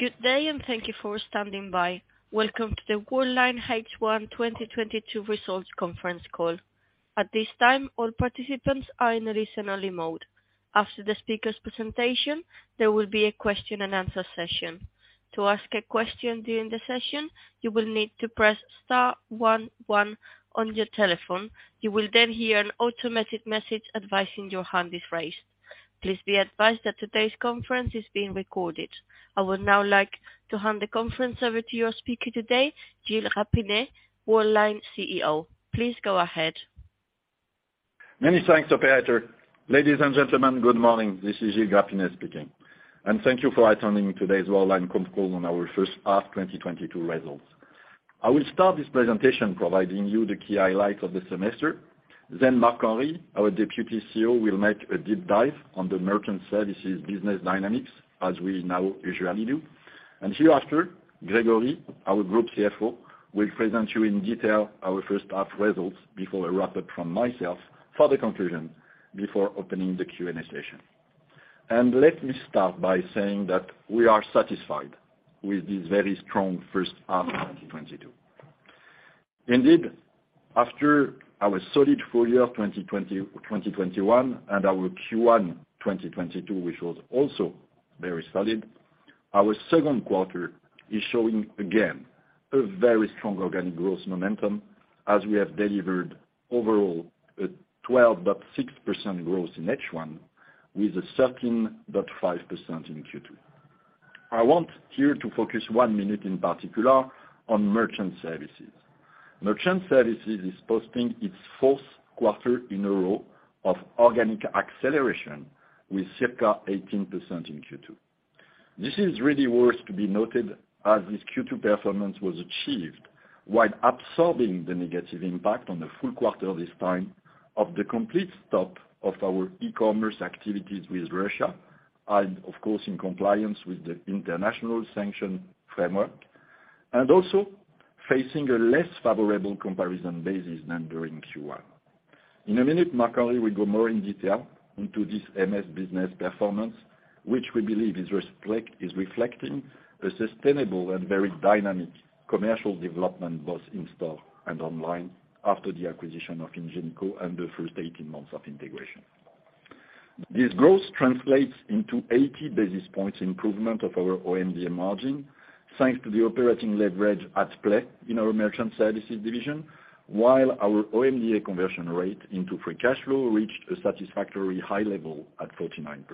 Good day, and thank you for standing by. Welcome to the Worldline H1 2022 Results Conference Call. At this time, all participants are in a listen only mode. After the speaker's presentation, there will be a question and answer session. To ask a question during the session, you will need to press star one one on your telephone. You will then hear an automated message advising your hand is raised. Please be advised that today's conference is being recorded. I would now like to hand the conference over to your speaker today, Gilles Grapinet, Worldline CEO. Please go ahead. Many thanks, operator. Ladies and gentlemen, good morning. This is Gilles Grapinet speaking. Thank you for attending today's Worldline conf call on our first half 2022 results. I will start this presentation providing you the key highlights of the semester. Then Marc-Henri, our Deputy CEO, will make a deep dive on the merchant services business dynamics as we now usually do. Hereafter, Grégory, our Group CFO, will present you in detail our first half results before a wrap up from myself for the conclusion before opening the Q&A session. Let me start by saying that we are satisfied with this very strong first half of 2022. Indeed, after our solid full year of 2020, 2021, and our Q1 2022, which was also very solid, our second quarter is showing again a very strong organic growth momentum as we have delivered overall a 12.6% growth in H1 with a 13.5% in Q2. I want here to focus one minute in particular on merchant services. Merchant services is posting its fourth quarter in a row of organic acceleration with circa 18% in Q2. This is really worth to be noted as this Q2 performance was achieved while absorbing the negative impact on the full quarter this time of the complete stop of our e-commerce activities with Russia, and of course, in compliance with the international sanction framework, and also facing a less favorable comparison basis than during Q1. In a minute, Marc-Henri will go more in detail into this MS business performance, which we believe is reflecting a sustainable and very dynamic commercial development both in-store and online after the acquisition of Ingenico and the first 18 months of integration. This growth translates into 80 basis points improvement of our OMDA margin, thanks to the operating leverage at play in our merchant services division, while our OMDA conversion rate into free cash flow reached a satisfactory high level at 49%.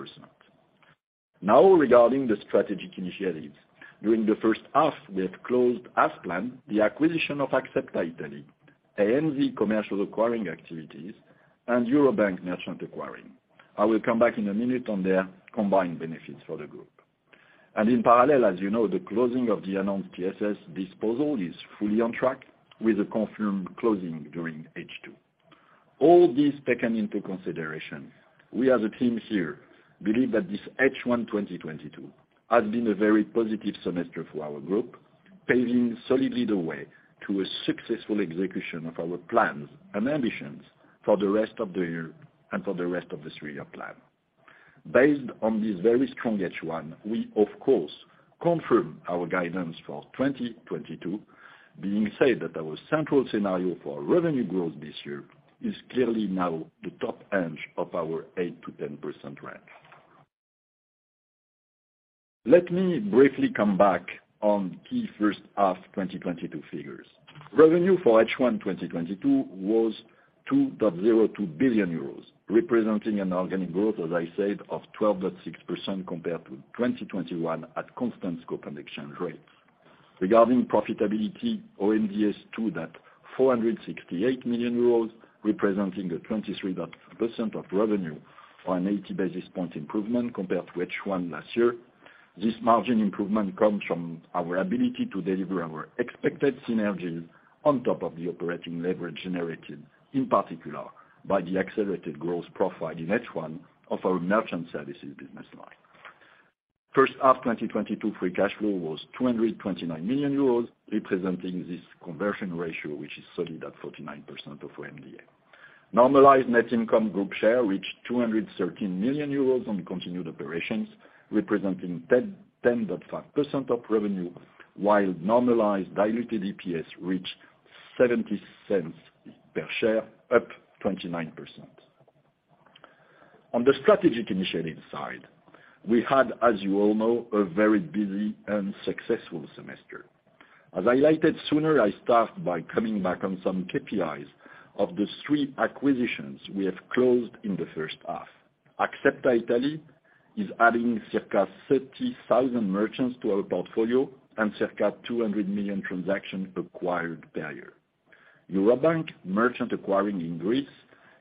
Now regarding the strategic initiatives. During the first half, we have closed as planned the acquisition of Axepta Italy, ANZ commercial acquiring activities, and Eurobank merchant acquiring. I will come back in a minute on their combined benefits for the group. In parallel, as you know, the closing of the announced TSS disposal is fully on track with a confirmed closing during H2. All this taken into consideration, we as a team here believe that this H1 2022 has been a very positive semester for our group, paving solidly the way to a successful execution of our plans and ambitions for the rest of the year and for the rest of this three-year plan. Based on this very strong H1, we of course confirm our guidance for 2022. That being said, our central scenario for revenue growth this year is clearly now the top edge of our 8%-10% range. Let me briefly come back on key first half 2022 figures. Revenue for H1 2022 was 2.02 billion euros, representing an organic growth, as I said, of 12.6% compared to 2021 at constant scope and exchange rates. Regarding profitability, OMDA is 246.8 million euros, representing 23% of revenue on an 80 basis point improvement compared to H1 last year. This margin improvement comes from our ability to deliver our expected synergies on top of the operating leverage generated, in particular, by the accelerated growth profile in H1 of our merchant services business line. First half 2022 free cash flow was 229 million euros, representing this conversion ratio, which is solid at 49% of OMDA. Normalized net income, group share reached 213 million euros on continued operations, representing 10.5% of revenue, while normalized diluted EPS reached 0.70 per share, up 29%. As I highlighted sooner, I start by coming back on some KPIs of the three acquisitions we have closed in the first half. Axepta Italy is adding circa 30,000 merchants to our portfolio and circa 200 million transactions acquired per year. Eurobank merchant acquiring in Greece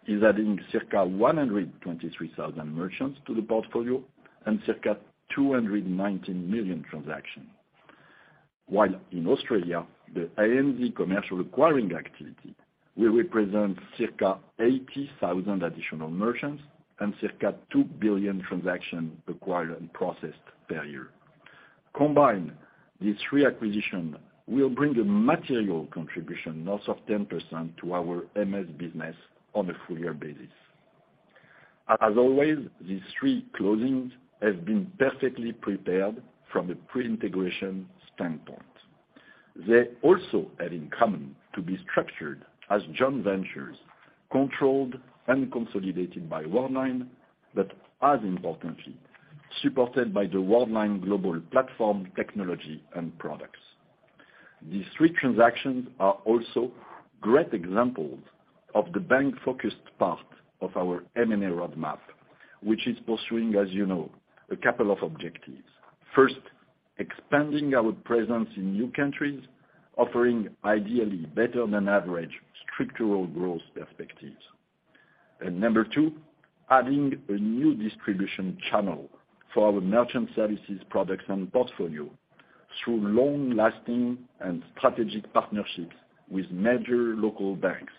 is adding circa 123,000 merchants to the portfolio and circa 219 million transactions. While in Australia, the ANZ commercial acquiring activity will represent circa 80,000 additional merchants and circa 2 billion transactions acquired and processed per year. Combined, these three acquisitions will bring a material contribution north of 10% to our MS business on a full year basis. As always, these three closings have been perfectly prepared from a pre-integration standpoint. They also have in common to be structured as joint ventures, controlled and consolidated by Worldline, but as importantly, supported by the Worldline global platform, technology, and products. These three transactions are also great examples of the bank-focused part of our M&A roadmap, which is pursuing, as you know, a couple of objectives. First, expanding our presence in new countries, offering ideally better than average structural growth perspectives. Number two, adding a new distribution channel for our merchant services products and portfolio through long-lasting and strategic partnerships with major local banks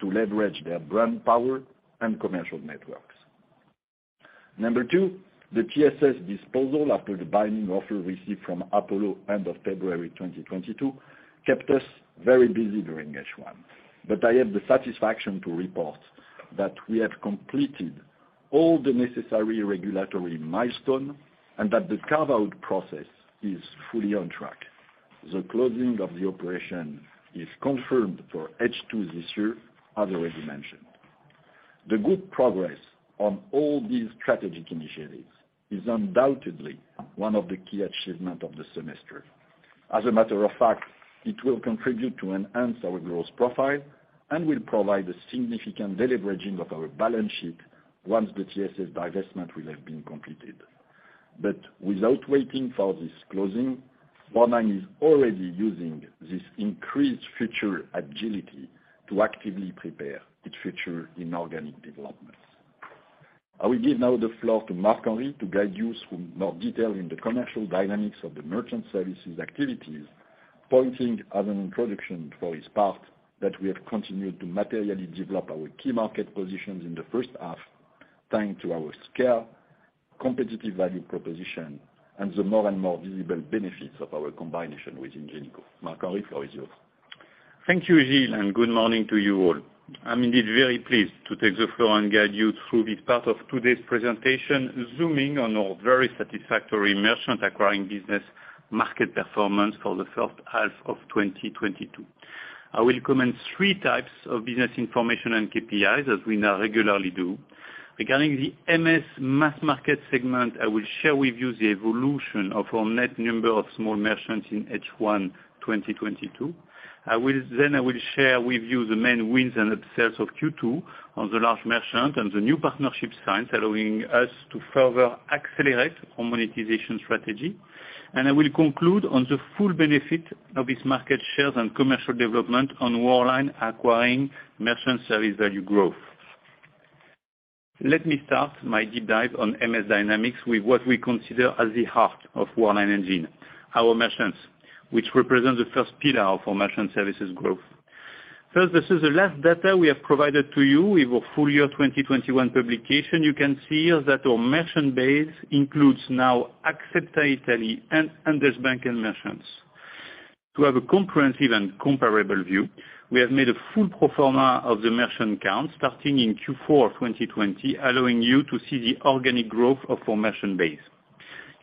to leverage their brand power and commercial networks. Number two, the TSS disposal after the binding offer received from Apollo end of February 2022, kept us very busy during H1. I have the satisfaction to report that we have completed all the necessary regulatory milestone, and that the carve-out process is fully on track. The closing of the operation is confirmed for H2 this year, as already mentioned. The good progress on all these strategic initiatives is undoubtedly one of the key achievement of the semester. As a matter of fact, it will contribute to enhance our growth profile and will provide a significant deleveraging of our balance sheet once the TSS divestment will have been completed. Without waiting for this closing, Worldline is already using this increased future agility to actively prepare its future inorganic developments. I will give now the floor to Marc-Henri to guide you through more detail in the commercial dynamics of the merchant services activities, pointing as an introduction for his part that we have continued to materially develop our key market positions in the first half, thanks to our scale, competitive value proposition, and the more and more visible benefits of our combination with Ingenico. Marc-Henri, the floor is yours. Thank you, Gilles, and good morning to you all. I'm indeed very pleased to take the floor and guide you through this part of today's presentation, zooming on our very satisfactory merchant acquiring business market performance for the first half of 2022. I will comment three types of business information and KPIs, as we now regularly do. Regarding the MS mass market segment, I will share with you the evolution of our net number of small merchants in H1 2022. I will share with you the main wins and upsells of Q2 on the large merchant and the new partnership signs, allowing us to further accelerate our monetization strategy. I will conclude on the full benefit of these market shares and commercial development on Worldline acquiring merchant service value growth. Let me start my deep dive on MS Dynamics with what we consider as the heart of Worldline engine, our merchants, which represent the first pillar for merchant services growth. First, this is the last data we have provided to you with our full year 2021 publication. You can see that our merchant base includes now Axepta Italy and ANZ Banking merchants. To have a comprehensive and comparable view, we have made a full pro forma of the merchant count starting in Q4 of 2020, allowing you to see the organic growth of our merchant base.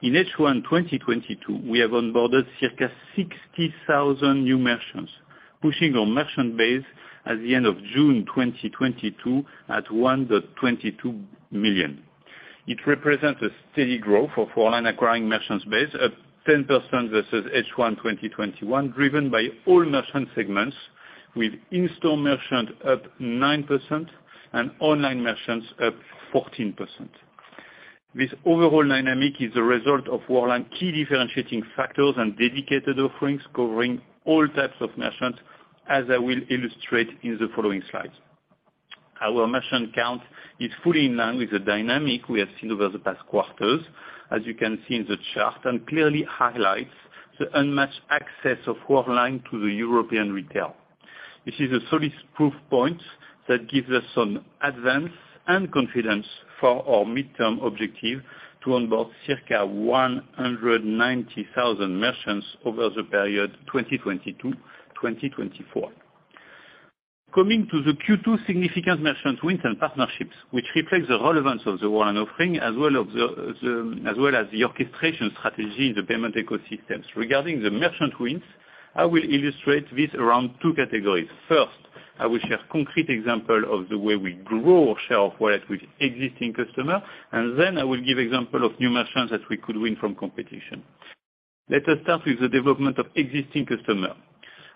In H1 2022, we have onboarded circa 60,000 new merchants, pushing our merchant base at the end of June 2022 at 1.22 million. It represents a steady growth for foreign acquiring merchant base at 10% versus H1 2021, driven by all merchant segments, with in-store merchant up 9% and online merchants up 14%. This overall dynamic is a result of Worldline's key differentiating factors and dedicated offerings covering all types of merchants, as I will illustrate in the following slides. Our merchant count is fully in line with the dynamic we have seen over the past quarters, as you can see in the chart, and clearly highlights the unmatched access of Worldline to the European retail. This is a solid proof point that gives us an advance and confidence for our midterm objective to onboard circa 190,000 merchants over the period 2022-2024. Coming to the Q2 significant merchant wins and partnerships, which reflects the relevance of the Worldline offering, as well as the orchestration strategy in the payment ecosystems. Regarding the merchant wins, I will illustrate this around two categories. First, I will share concrete example of the way we grow our share of wallet with existing customer, and then I will give example of new merchants that we could win from competition. Let us start with the development of existing customer.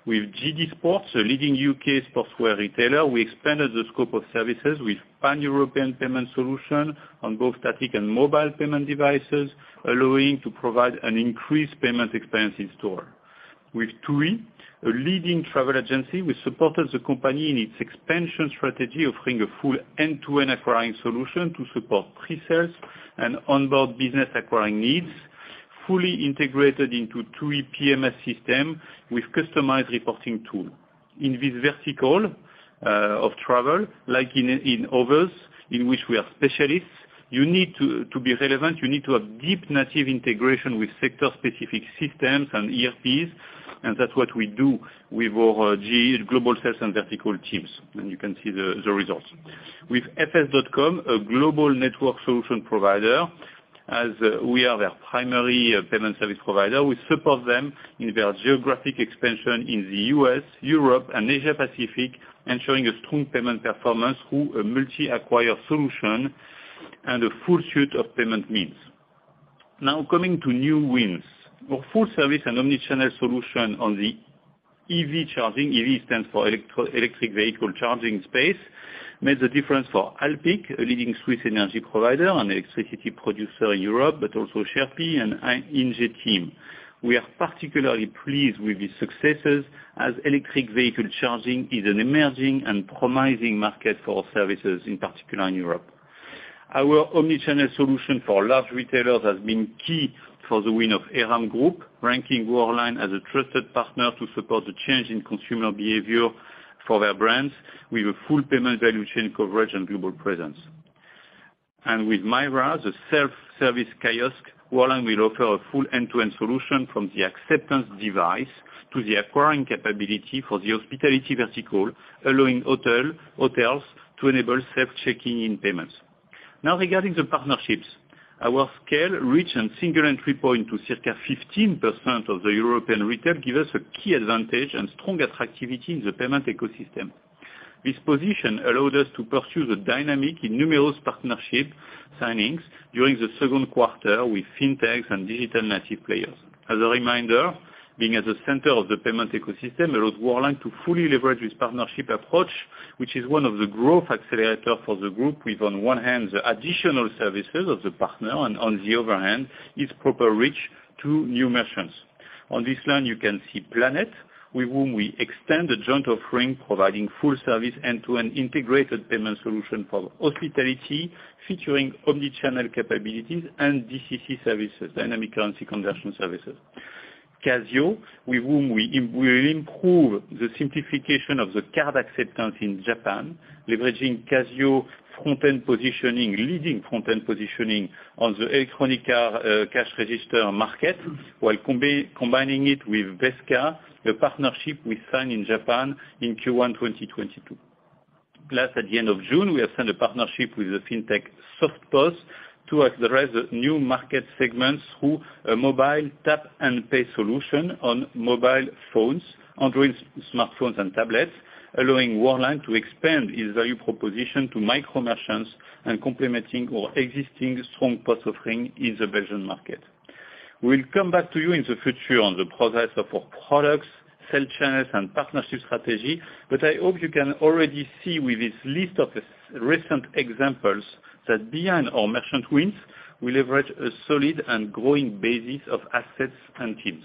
With JD Sports, a leading U.K. sportswear retailer, we expanded the scope of services with pan-European payment solution on both static and mobile payment devices, allowing to provide an increased payment experience in store. With TUI, a leading travel agency, we supported the company in its expansion strategy, offering a full end-to-end acquiring solution to support pre-sales and onboard business acquiring needs, fully integrated into TUI PMS system with customized reporting tool. In this vertical, of travel, like in others in which we are specialists. You need to be relevant, you need to have deep native integration with sector-specific systems and ERPs, and that's what we do with our Global Sales and Vertical teams, and you can see the results. With FS.com, a global network solution provider, as we are their primary payment service provider, we support them in their geographic expansion in the U.S., Europe, and Asia Pacific, ensuring a strong payment performance through a multi-acquire solution and a full suite of payment means. Now coming to new wins. For full service and omni-channel solution on the EV charging, EV stands for electric vehicle charging space, made the difference for Alpiq, a leading Swiss energy provider and electricity producer in Europe, but also Chargy and Ingeteam. We are particularly pleased with these successes as electric vehicle charging is an emerging and promising market for our services, in particular in Europe. Our omni-channel solution for large retailers has been key for the win of Aram Group, ranking Worldline as a trusted partner to support the change in consumer behavior for their brands with a full payment value chain coverage and global presence. With Mira, the self-service kiosk, Worldline will offer a full end-to-end solution from the acceptance device to the acquiring capability for the hospitality vertical, allowing hotels to enable self check-in payments. Now regarding the partnerships, our scale, reach, and single entry point to circa 15% of the European retail give us a key advantage and strong activity in the payment ecosystem. This position allowed us to pursue the dynamic in numerous partnership signings during the second quarter with fintechs and digital native players. As a reminder, being at the center of the payment ecosystem allows Worldline to fully leverage its partnership approach, which is one of the growth accelerator for the group with on one hand, the additional services of the partner, and on the other hand, its proper reach to new merchants. On this line, you can see Planet, with whom we extend a joint offering providing full service end-to-end integrated payment solution for hospitality, featuring omni-channel capabilities and DCC services, dynamic currency conversion services. Casio, with whom we will improve the simplification of the card acceptance in Japan, leveraging Casio front-end positioning, leading front-end positioning on the electronic cash register market, while combining it with Vesca, a partnership we signed in Japan in Q1 2022. Lastly, at the end of June, we have signed a partnership with the fintech SoftPOS to address new market segments through a mobile tap and pay solution on mobile phones, Android smartphones and tablets, allowing Worldline to expand its value proposition to micro merchants and complementing our existing strong POS offering in the Belgian market. We'll come back to you in the future on the progress of our products, sales channels, and partnership strategy, but I hope you can already see with this list of recent examples that behind our merchant wins, we leverage a solid and growing basis of assets and teams.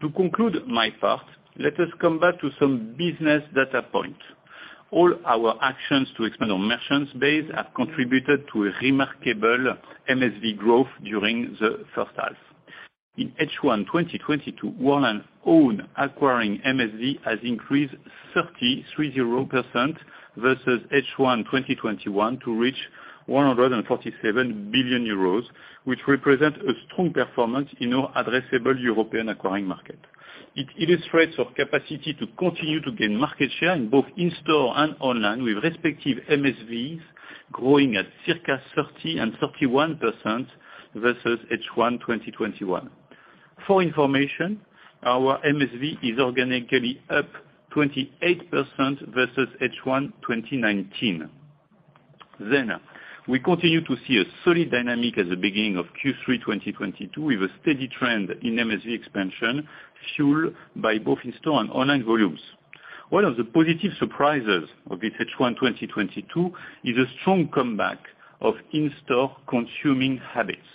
To conclude my part, let us come back to some business data point. All our actions to expand our merchant base have contributed to a remarkable MSV growth during the first half. In H1 2022, Worldline's own acquiring MSV has increased 33.0% versus H1 2021 to reach 147 billion euros, which represent a strong performance in our addressable European acquiring market. It illustrates our capacity to continue to gain market share in both in-store and online, with respective MSVs growing at circa 30% and 31% versus H1 2021. For information, our MSV is organically up 28% versus H1 2019. We continue to see a solid dynamic at the beginning of Q3 2022, with a steady trend in MSV expansion fueled by both in-store and online volumes. One of the positive surprises of this H1, 2022 is a strong comeback of in-store consuming habits.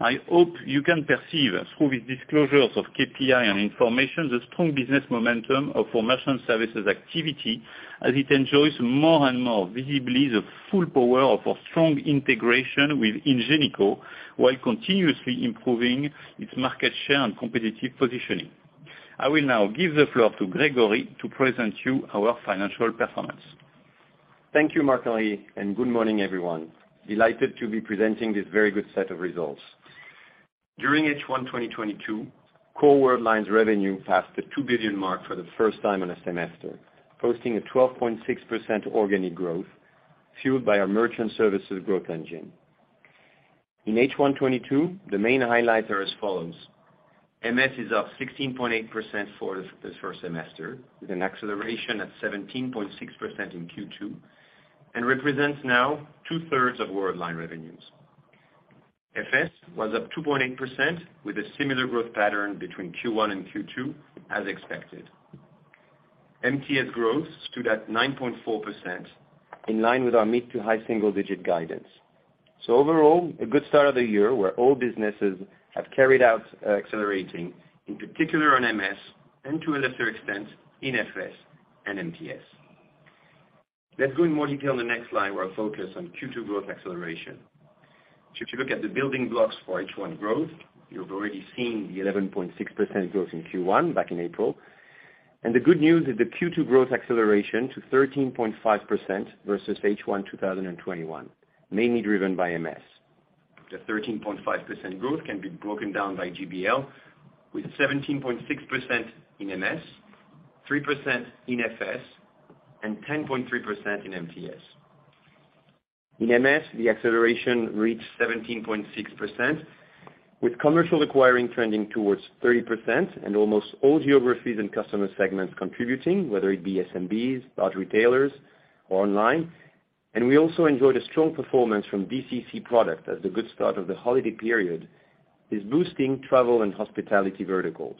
I hope you can perceive through these disclosures of KPI and information the strong business momentum of our merchant services activity as it enjoys more and more visibly the full power of our strong integration with Ingenico while continuously improving its market share and competitive positioning. I will now give the floor to Grégory to present you our financial performance. Thank you, Marc-Henri, and good morning, everyone. Delighted to be presenting this very good set of results. During H1 2022, core Worldline's revenue passed the 2 billion mark for the first time in a semester, posting a 12.6% organic growth fueled by our merchant services growth engine. In H1 2022, the main highlights are as follows. MS is up 16.8% for this first semester with an acceleration at 17.6% in Q2, and represents now 2/3 of Worldline revenues. FS was up 2.8% with a similar growth pattern between Q1 and Q2 as expected. MTS growth stood at 9.4%, in line with our mid to high single digit guidance. Overall, a good start of the year where all businesses have accelerated, in particular on MS and to a lesser extent in FS and MTS. Let's go in more detail on the next slide, where I'll focus on Q2 growth acceleration. If you look at the building blocks for H1 growth, you've already seen the 11.6% growth in Q1 back in April. The good news is the Q2 growth acceleration to 13.5% versus H1 2021, mainly driven by MS. The 13.5% growth can be broken down by GBL with 17.6% in MS, 3% in FS, and 10.3% in MTS. In MS, the acceleration reached 17.6% with commercial acquiring trending towards 30% and almost all geographies and customer segments contributing, whether it be SMBs, large retailers or online. We also enjoyed a strong performance from DCC product as the good start of the holiday period is boosting travel and hospitality verticals.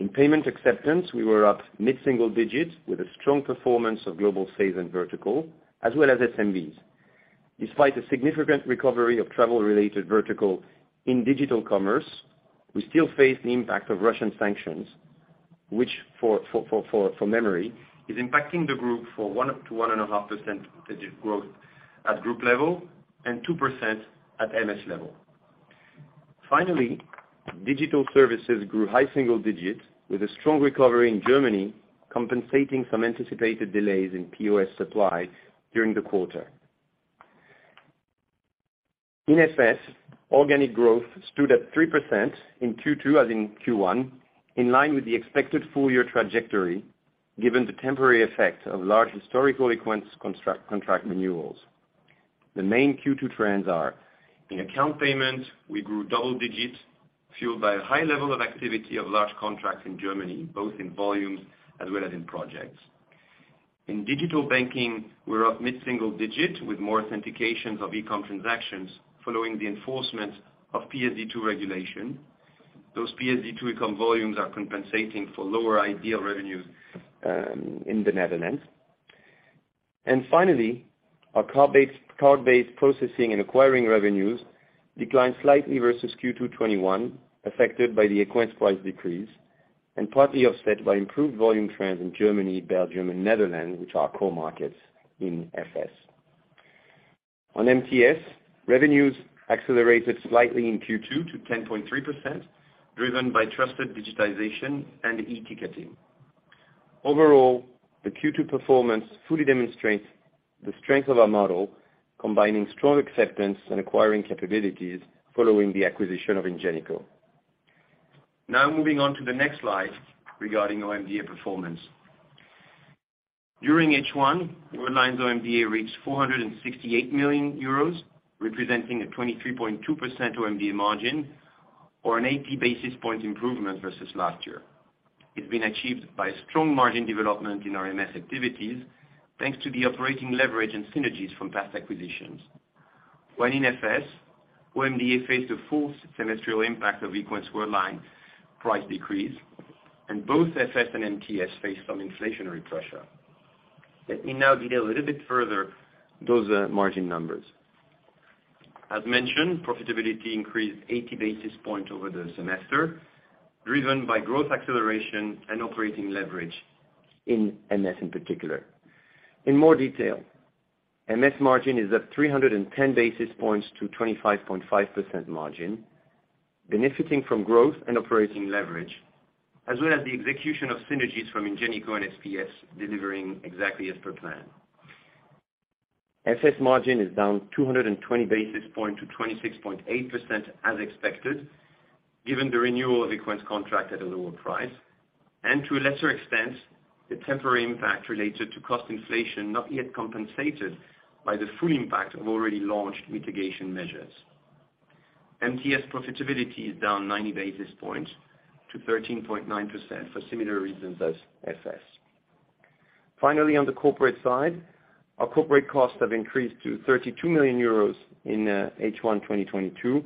In payment acceptance, we were up mid-single digits with a strong performance of Global Sales and Vertical, as well as SMBs. Despite a significant recovery of travel-related vertical in digital commerce, we still face the impact of Russian sanctions, which for memory, is impacting the group for 1%-1.5% digital growth at group level and 2% at MS level. Finally, digital services grew high single digits with a strong recovery in Germany, compensating some anticipated delays in POS supply during the quarter. In FS, organic growth stood at 3% in Q2 as in Q1, in line with the expected full year trajectory, given the temporary effect of large historical Equens contract renewals. The main Q2 trends are in account payment, we grew double digits, fueled by a high level of activity of large contracts in Germany, both in volumes as well as in projects. In digital banking, we're up mid-single digit with more authentications of e-com transactions following the enforcement of PSD2 regulation. Those PSD2 e-com volumes are compensating for lower iDEAL revenues in the Netherlands. Finally, our card-based processing and acquiring revenues declined slightly versus Q2 2021, affected by the Equens price decrease, and partly offset by improved volume trends in Germany, Belgium, and Netherlands, which are core markets in FS. On MTS, revenues accelerated slightly in Q2 to 10.3%, driven by trusted digitization and e-ticketing. Overall, the Q2 performance fully demonstrates the strength of our model, combining strong acceptance and acquiring capabilities following the acquisition of Ingenico. Now moving on to the next slide regarding OMDA performance. During H1, Worldline's OMDA reached 468 million euros, representing a 23.2% OMDA margin or an 80 basis point improvement versus last year. It's been achieved by strong margin development in our MS activities, thanks to the operating leverage and synergies from past acquisitions. While in FS, OMDA faced a full semestrial impact of equensWorldline price decrease, and both FS and MTS faced some inflationary pressure. Let me now detail a little bit further those margin numbers. As mentioned, profitability increased 80 basis points over the semester, driven by growth acceleration and operating leverage in MS in particular. In more detail, MS margin is up 310 basis points to 25.5% margin, benefiting from growth and operating leverage, as well as the execution of synergies from Ingenico and SPS, delivering exactly as per plan. FS margin is down 220 basis points to 26.8% as expected, given the renewal of Equens contract at a lower price, and to a lesser extent, the temporary impact related to cost inflation not yet compensated by the full impact of already launched mitigation measures. MTS profitability is down 90 basis points to 13.9% for similar reasons as FS. Finally, on the corporate side, our corporate costs have increased to 32 million euros in H1 2022,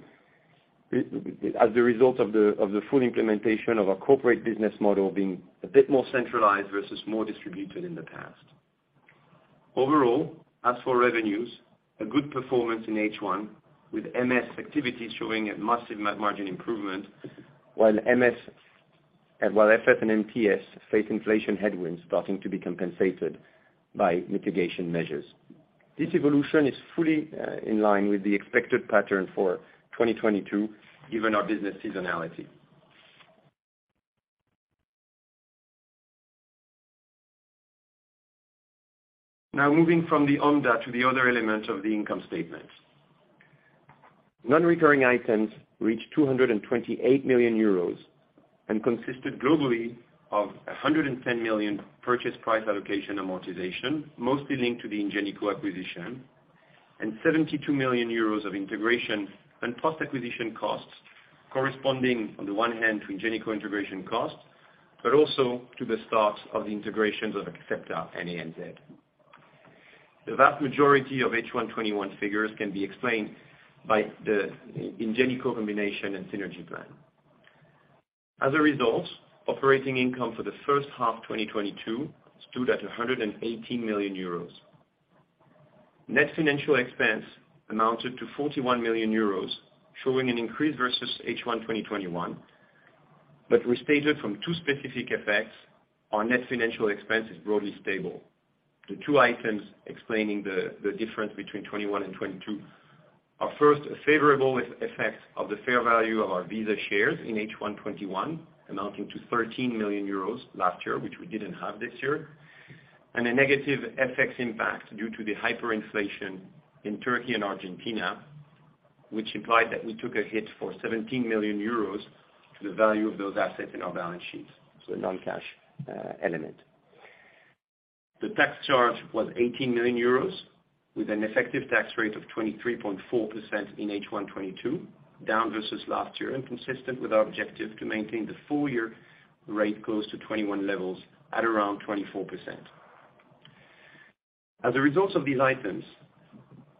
as a result of the full implementation of our corporate business model being a bit more centralized versus more distributed in the past. Overall, as for revenues, a good performance in H1 with MS activities showing a massive margin improvement, while FS and MTS face inflation headwinds starting to be compensated by mitigation measures. This evolution is fully in line with the expected pattern for 2022, given our business seasonality. Now moving from the OMDA to the other element of the income statement. Non-recurring items reached 228 million euros and consisted globally of 110 million purchase price allocation amortization, mostly linked to the Ingenico acquisition, and 72 million euros of integration and post-acquisition costs corresponding on the one hand to Ingenico integration costs, but also to the start of the integrations of Axepta and ANZ. The vast majority of H1 2021 figures can be explained by the Ingenico combination and synergy plan. As a result, operating income for the first half 2022 stood at 118 million euros. Net financial expense amounted to 41 million euros, showing an increase versus H1 2021. Restated from two specific effects, our net financial expense is broadly stable. The two items explaining the difference between 2021 and 2022 are, first, a favorable effect of the fair value of our Visa shares in H1 2021 amounting to 13 million euros last year, which we didn't have this year. A negative FX impact due to the hyperinflation in Turkey and Argentina, which implied that we took a hit for 17 million euros to the value of those assets in our balance sheets. A non-cash element. The tax charge was 18 million euros with an effective tax rate of 23.4% in H1 2022, down versus last year and consistent with our objective to maintain the full year rate close to 2021 levels at around 24%. As a result of these items,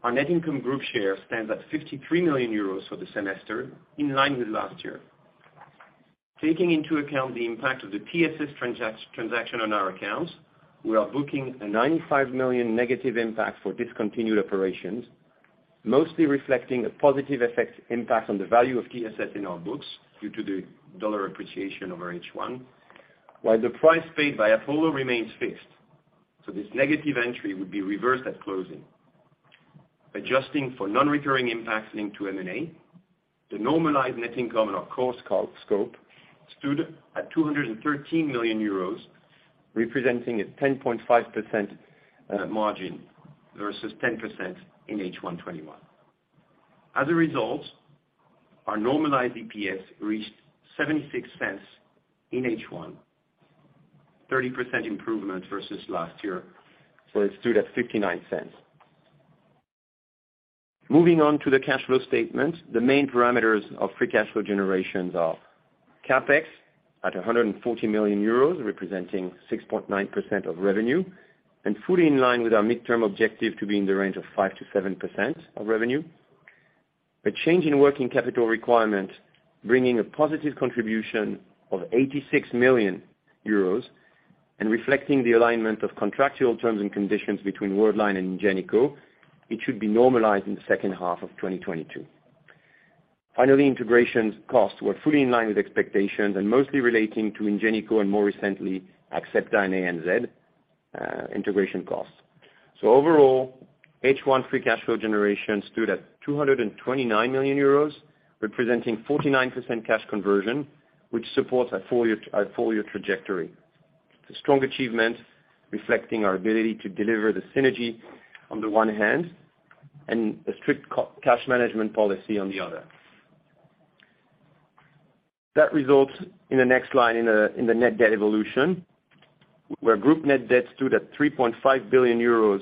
our net income group share stands at 53 million euros for the semester in line with last year. Taking into account the impact of the TSS transaction on our accounts, we are booking a 95 million negative impact for discontinued operations, mostly reflecting a positive effect impact on the value of TSS in our books due to the dollar appreciation over H1, while the price paid by Apollo remains fixed, so this negative entry would be reversed at closing. Adjusting for non-recurring impacts linked to M&A, the normalized net income in our current scope stood at 213 million euros, representing a 10.5% margin versus 10% in H1 2021. Our normalized EPS reached 0.76 in H1, 30% improvement versus last year, where it stood at 0.59. Moving on to the cash flow statement, the main parameters of free cash flow generations are CapEx at 140 million euros, representing 6.9% of revenue, and fully in line with our midterm objective to be in the range of 5%-7% of revenue. A change in working capital requirement, bringing a positive contribution of 86 million euros and reflecting the alignment of contractual terms and conditions between Worldline and Ingenico, it should be normalized in the second half of 2022. Finally, integration costs were fully in line with expectations and mostly relating to Ingenico and more recently Axepta in ANZ, integration costs. Overall, H1 free cash flow generation stood at 229 million euros, representing 49% cash conversion, which supports our full year trajectory. It's a strong achievement reflecting our ability to deliver the synergy on the one hand, and a strict cash management policy on the other. That results in the next line in the net debt evolution, where group net debt stood at 3.5 billion euros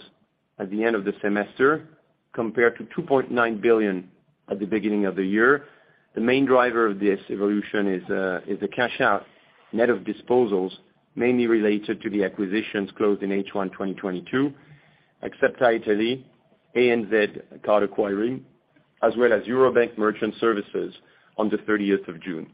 at the end of the semester compared to 2.9 billion at the beginning of the year. The main driver of this evolution is the cash out net of disposals, mainly related to the acquisitions closed in H1 2022. Axepta Italy, ANZ card acquiring, as well as Eurobank Merchant Services on the thirtieth of June.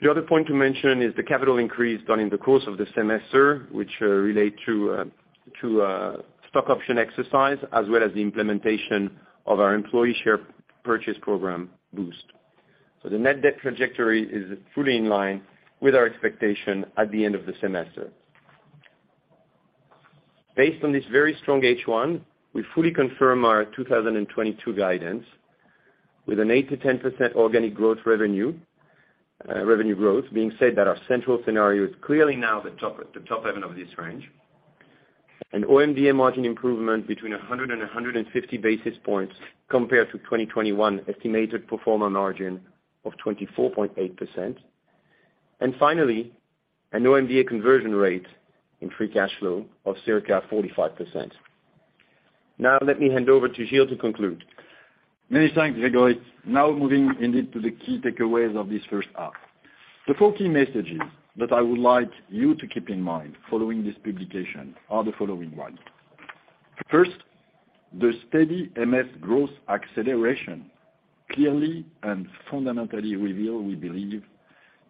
The other point to mention is the capital increase done in the course of the semester, which relate to a stock option exercise, as well as the implementation of our employee share purchase program Boost. The net debt trajectory is fully in line with our expectation at the end of the semester. Based on this very strong H1, we fully confirm our 2022 guidance with an 8%-10% organic revenue growth, having said that our central scenario is clearly now the top end of this range. An OMDA margin improvement between 100 and 150 basis points compared to 2021 estimated pro forma margin of 24.8%. Finally, an OMDA conversion rate in free cash flow of circa 45%. Now let me hand over to Gilles to conclude. Many thanks, Grégory. Now moving indeed to the key takeaways of this first half. The four key messages that I would like you to keep in mind following this publication are the following ones. First, the steady MS growth acceleration clearly and fundamentally reveal, we believe,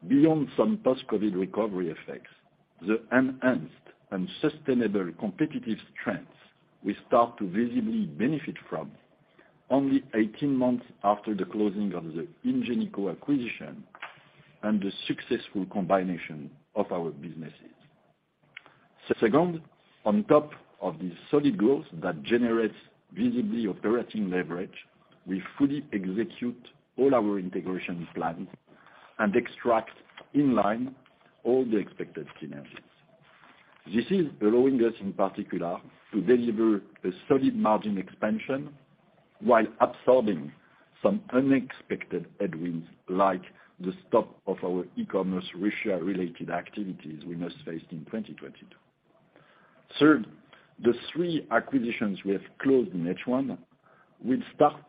beyond some post-COVID recovery effects, the enhanced and sustainable competitive strengths we start to visibly benefit from only 18 months after the closing of the Ingenico acquisition and the successful combination of our businesses. Second, on top of the solid growth that generates visibly operating leverage, we fully execute all our integration plans and extract in line all the expected synergies. This is allowing us, in particular, to deliver a solid margin expansion while absorbing some unexpected headwinds, like the stop of our e-commerce Russia-related activities we must face in 2022. Third, the three acquisitions we have closed in H1 will start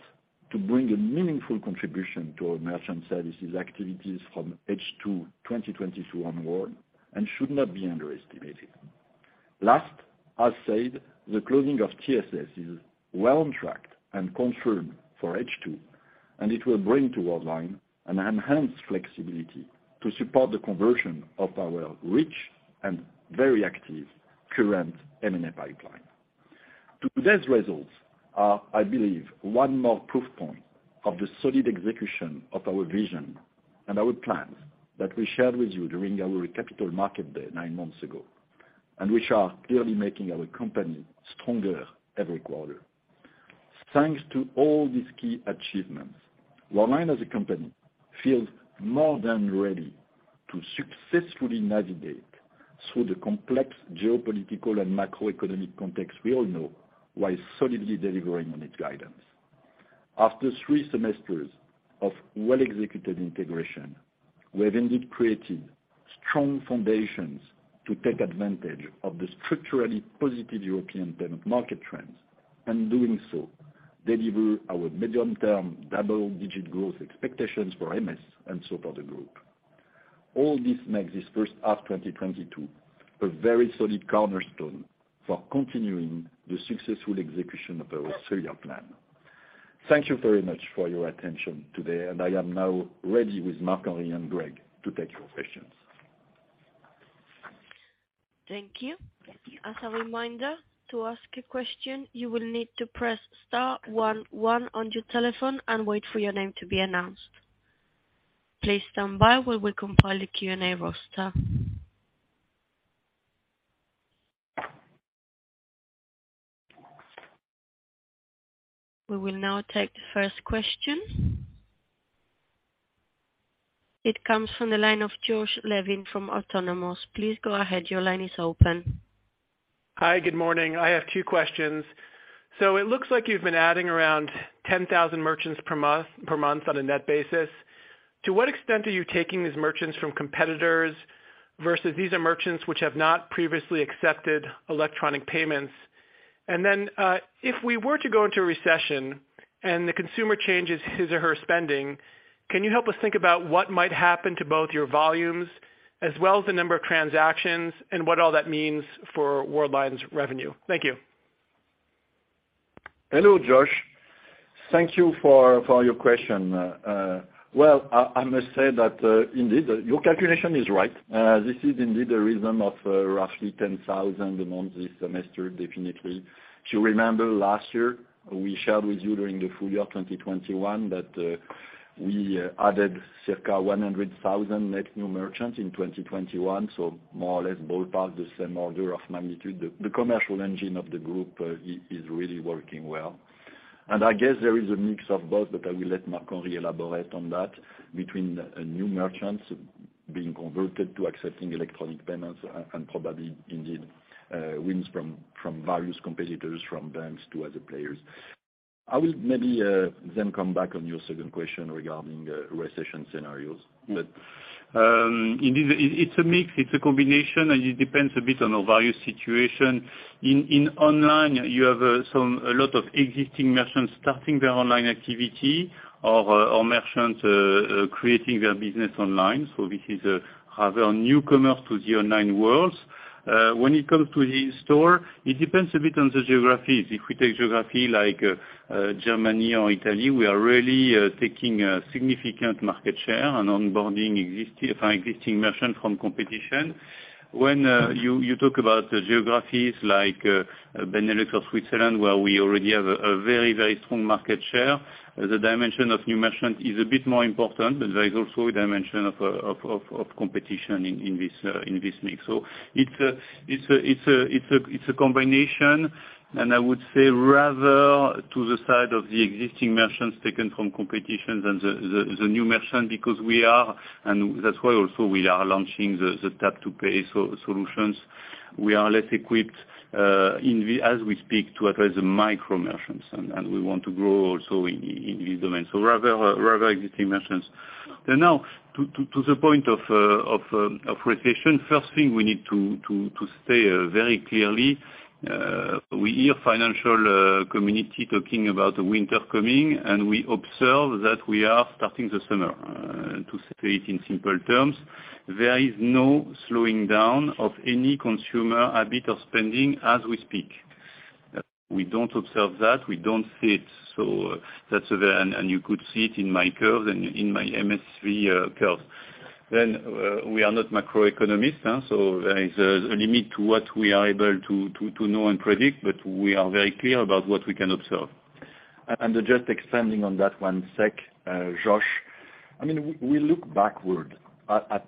to bring a meaningful contribution to our merchant services activities from H2 2022 onward and should not be underestimated. Last, as said, the closing of TSS is well on track and confirmed for H2, and it will bring to Worldline an enhanced flexibility to support the conversion of our rich and very active current M&A pipeline. To today's results are, I believe one more proof point of the solid execution of our vision and our plans that we shared with you during our capital market day nine months ago, and which are clearly making our company stronger every quarter. Thanks to all these key achievements, Worldline as a company feels more than ready to successfully navigate through the complex geopolitical and macroeconomic context we all know, while solidly delivering on its guidance. After three semesters of well-executed integration, we have indeed created strong foundations to take advantage of the structurally positive European payment market trends, and doing so deliver our medium-term double-digit growth expectations for MS, and so for the group. All this makes this first half 2022 a very solid cornerstone for continuing the successful execution of our three-year plan. Thank you very much for your attention today, and I am now ready with Marc-Henri and Grégory to take your questions. Thank you. As a reminder, to ask a question, you will need to press star one one on your telephone and wait for your name to be announced. Please stand by while we compile a Q&A roster. We will now take the first question. It comes from the line of Josh Levin from Autonomous Research. Please go ahead. Your line is open. Hi, good morning. I have two questions. It looks like you've been adding around 10,000 merchants per month, per month on a net basis. To what extent are you taking these merchants from competitors versus these are merchants which have not previously accepted electronic payments? If we were to go into a recession and the consumer changes his or her spending, can you help us think about what might happen to both your volumes as well as the number of transactions, and what all that means for Worldline's revenue? Thank you. Hello, Josh. Thank you for your question. I must say that indeed your calculation is right. This is indeed a rhythm of roughly 10,000 a month this semester, definitely. If you remember last year, we shared with you during the full year 2021 that we added circa 100,000 net new merchants in 2021. So more or less ballpark the same order of magnitude. The commercial engine of the group is really working well. I guess there is a mix of both, but I will let Marc-Henri elaborate on that, between new merchants being converted to accepting electronic payments and probably indeed wins from various competitors, from banks to other players. I will maybe then come back on your second question regarding recession scenarios. Indeed, it's a mix, it's a combination, and it depends a bit on our value situation. In online you have a lot of existing merchants starting their online activity or merchants creating their business online. This is rather newcomers to the online worlds. When it comes to in store, it depends a bit on the geographies. If we take geography like Germany or Italy, we are really taking a significant market share and onboarding our existing merchants from competition. When you talk about the geographies like Benelux or Switzerland, where we already have a very, very strong market share, the dimension of new merchant is a bit more important, but there is also a dimension of competition in this mix. It's a combination, and I would say rather to the side of the existing merchants taken from competition than the new merchant, because that's why also we are launching the Tap to Pay solutions. We are less equipped, as we speak, to address the micro merchants, and we want to grow also in this domain. Rather existing merchants. Now to the point of recession. First thing we need to say very clearly, we hear financial community talking about the winter coming, and we observe that we are starting the summer to say it in simple terms. There is no slowing down of any consumer habit of spending as we speak. We don't observe that. We don't see it. You could see it in my curves and in my MSV curves. We are not macroeconomists, so there is a limit to what we are able to know and predict, but we are very clear about what we can observe. Just expanding on that one sec, Josh. I mean, we look backward at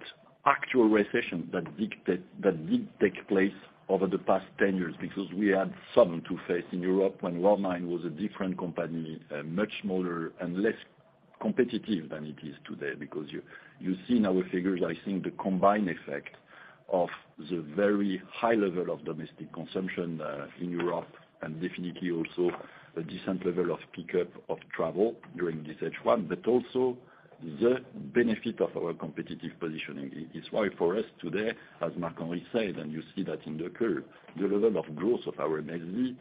actual recession that did take place over the past 10 years because we had some to face in Europe when Worldline was a different company, much smaller and less competitive than it is today. Because you see in our figures, I think the combined effect of the very high level of domestic consumption in Europe and definitely also a decent level of pickup of travel during this H1, but also the benefit of our competitive positioning. It's why for us today, as Marc-Henri said, and you see that in the curve, the level of growth of our MSV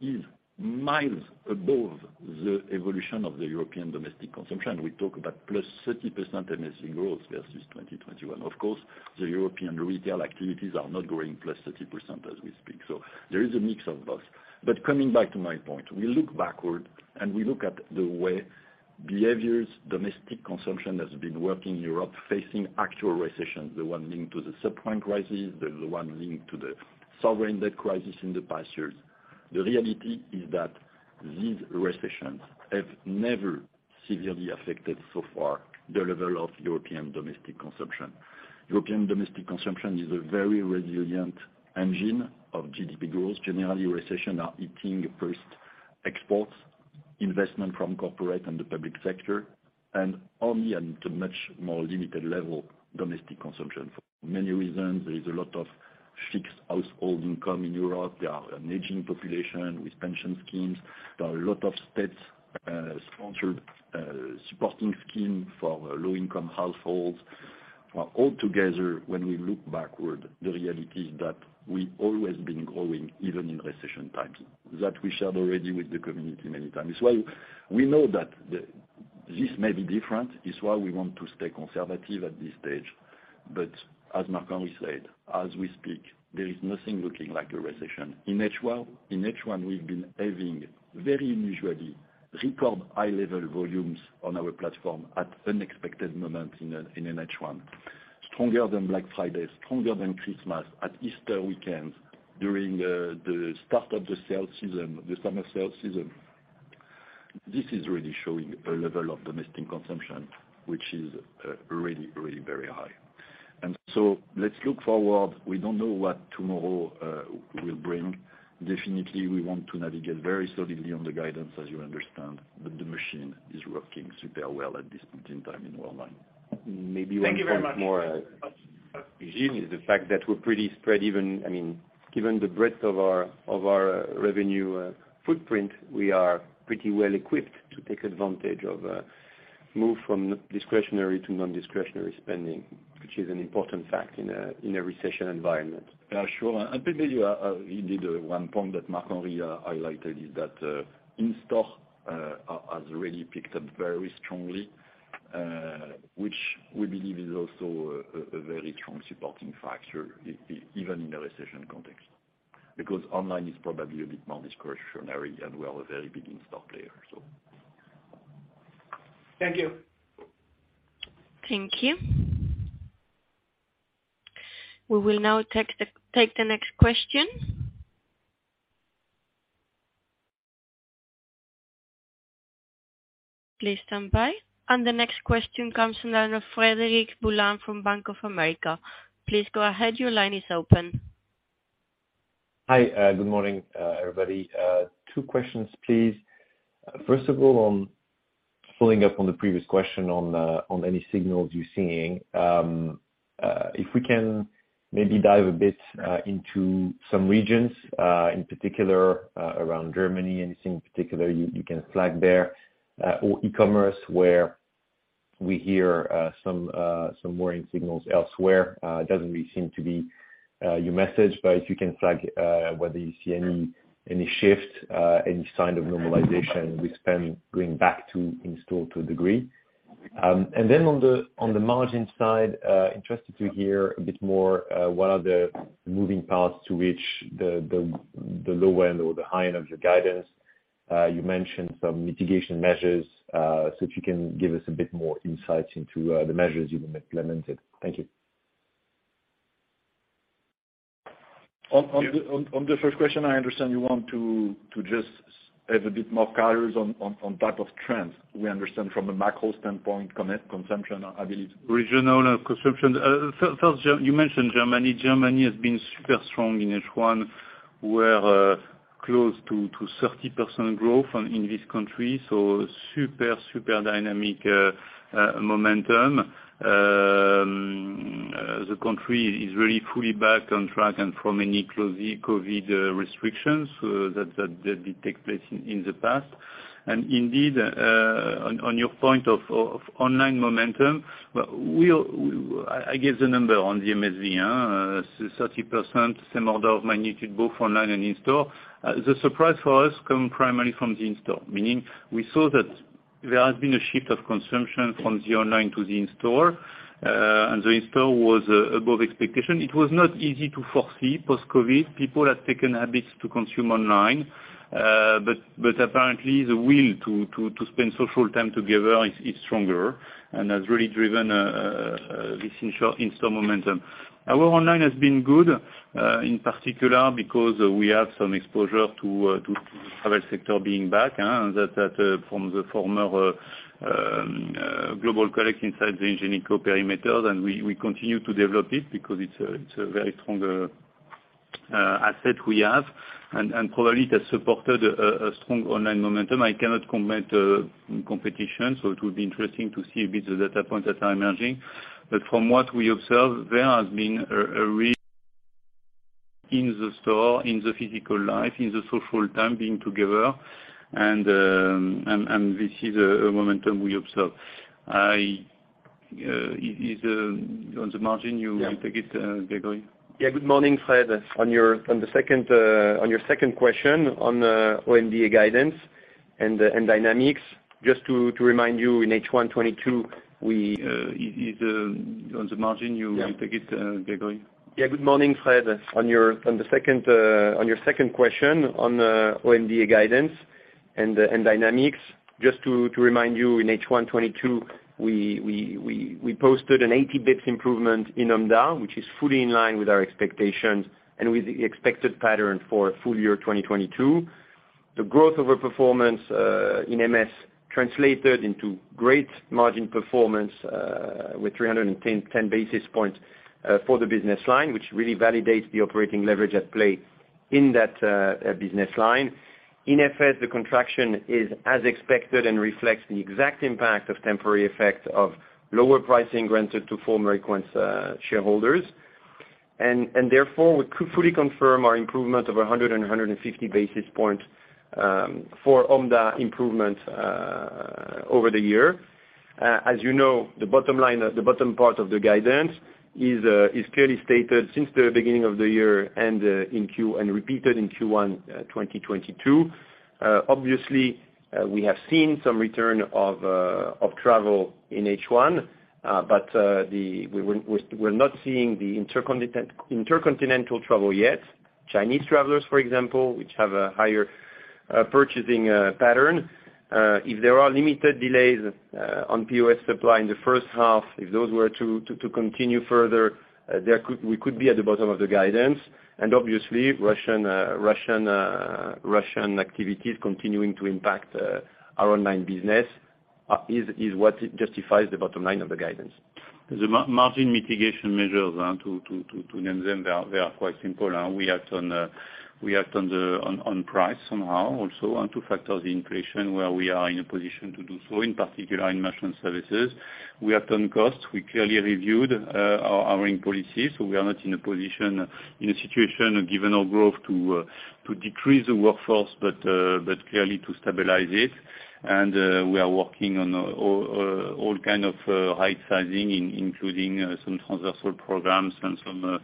is miles above the evolution of the European domestic consumption. We talk about +30% MSV growth versus 2021. Of course, the European retail activities are not growing +30% as we speak. There is a mix of both. Coming back to my point, we look backward and we look at the way behaviors, domestic consumption has been working in Europe facing actual recession, the one linked to the subprime crisis, the one linked to the sovereign debt crisis in the past years. The reality is that these recessions have never severely affected so far the level of European domestic consumption. European domestic consumption is a very resilient engine of GDP growth. Generally, recessions are hitting first exports, investment from corporate and the public sector and only to a much more limited level, domestic consumption. For many reasons, there is a lot of fixed household income in Europe. There are an aging population with pension schemes. There are a lot of state sponsored supporting schemes for low-income households. Altogether, when we look backward, the reality is that we always been growing even in recession times. That we shared already with the community many times. Well, we know that this may be different. It's why we want to stay conservative at this stage. As Marc-Henri said, as we speak, there is nothing looking like a recession. In H1 we've been having very unusually record high level volumes on our platform at an unexpected moment in an H1. Stronger than Black Friday, stronger than Christmas, at Easter weekend, during the start of the sale season, the summer sale season. This is really showing a level of domestic consumption, which is really very high. Let's look forward. We don't know what tomorrow will bring. Definitely, we want to navigate very solidly on the guidance, as you understand. The machine is working super well at this point in time in online. Thank you very much. Maybe one point more is the fact that we're pretty spread even, I mean, given the breadth of our revenue footprint, we are pretty well equipped to take advantage of move from discretionary to non-discretionary spending, which is an important fact in a recession environment. Yeah, sure. Maybe indeed one point that Marc-Henri highlighted is that in-store has really picked up very strongly, which we believe is also a very strong supporting factor even in a recession context. Because online is probably a bit more discretionary and we are a very big in-store player, so. Thank you. Thank you. We will now take the next question. Please stand by. The next question comes from the line of Frederic Boulan from Bank of America. Please go ahead. Your line is open. Hi. Good morning, everybody. Two questions, please. First of all, on following up on the previous question on any signals you're seeing, if we can maybe dive a bit into some regions, in particular, around Germany, anything in particular you can flag there, or e-commerce, where we hear some warning signals elsewhere. It doesn't really seem to be your message, but if you can flag whether you see any shift, any sign of normalization with spend going back to in-store to a degree. On the margin side, interested to hear a bit more, what are the moving parts to which the low end or the high end of your guidance, you mentioned some mitigation measures. If you can give us a bit more insight into the measures you implemented. Thank you. On the first question, I understand you want to just have a bit more colors on type of trends. We understand from a macro standpoint consumption, I believe. Regional consumption. First, you mentioned Germany. Germany has been super strong in H1. We're close to 30% growth in this country. So super dynamic momentum. The country is really fully back on track and from any COVID restrictions that did take place in the past. Indeed, on your point of online momentum, well, I gave the number on the MSV, 30%, same order of magnitude both online and in-store. The surprise for us come primily from the in-store, meaning we saw that there has been a shift of consumption from the online to the in-store, and the in-store was above expectation. It was not easy to foresee post-COVID. People had taken habits to consume online, but apparently the will to spend social time together is stronger and has really driven this in-store momentum. Our online has been good, in particular because we have some exposure to the travel sector being back, and that from the former Global Collect inside the Ingenico perimeter, and we continue to develop it because it's a very strong asset we have. Probably it has supported a strong online momentum. I cannot comment on competition, so it will be interesting to see a bit the data points that are emerging. From what we observe, there has been a real interest in the store, in the physical life, in the social time being together. This is a momentum we observe. It is on the margin. You take it, Grégory. Good morning, Fred. On your second question on OMDA guidance and dynamics, just to remind you, in H1 2022, we Is on the margin, you- Yeah. You take it, Grégory. Yeah. Good morning, Fred. On your second question on OMDA guidance. The dynamics. Just to remind you, in H1 2022, we posted an 80 basis points improvement in OMDA, which is fully in line with our expectations and with the expected pattern for full-year 2022. The growth over performance in MS translated into great margin performance with 310 basis points for the business line, which really validates the operating leverage at play in that business line. In FS, the contraction is as expected and reflects the exact impact of temporary effects of lower pricing granted to former Equens shareholders. Therefore, we fully confirm our improvement of 150 basis points for OMDA improvement over the year. As you know, the bottom line of the bottom part of the guidance is clearly stated since the beginning of the year and in Q1 and repeated in Q1 2022. Obviously, we have seen some return of travel in H1, but we're not seeing the intercontinental travel yet. Chinese travelers, for example, which have a higher purchasing pattern. If there are limited delays on POS supply in the first half, if those were to continue further, we could be at the bottom of the guidance. Obviously, Russian activities continuing to impact our online business is what justifies the bottom line of the guidance. The margin mitigation measures to name them, they are quite simple. We act on the price somehow also, and to factor the inflation where we are in a position to do so, in particular in merchant services. We act on costs. We clearly reviewed our hiring policies, so we are not in a position, in a situation given our growth to decrease the workforce, but clearly to stabilize it. We are working on all kinds of right-sizing including some transversal programs and some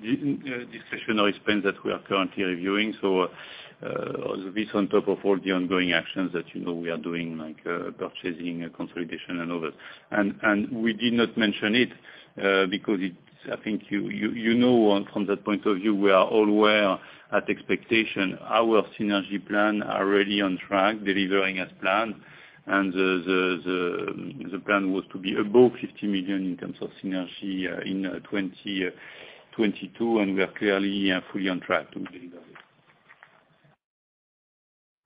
discretionary expenses that we are currently reviewing. This on top of all the ongoing actions that you know we are doing, like purchasing consolidation and others. We did not mention it, because it's, I think you know on, from that point of view, we are all aware that expectations our synergy plan are really on track, delivering as planned. The plan was to be above 50 million in terms of synergy, in 2022, and we are clearly, fully on track to deliver it.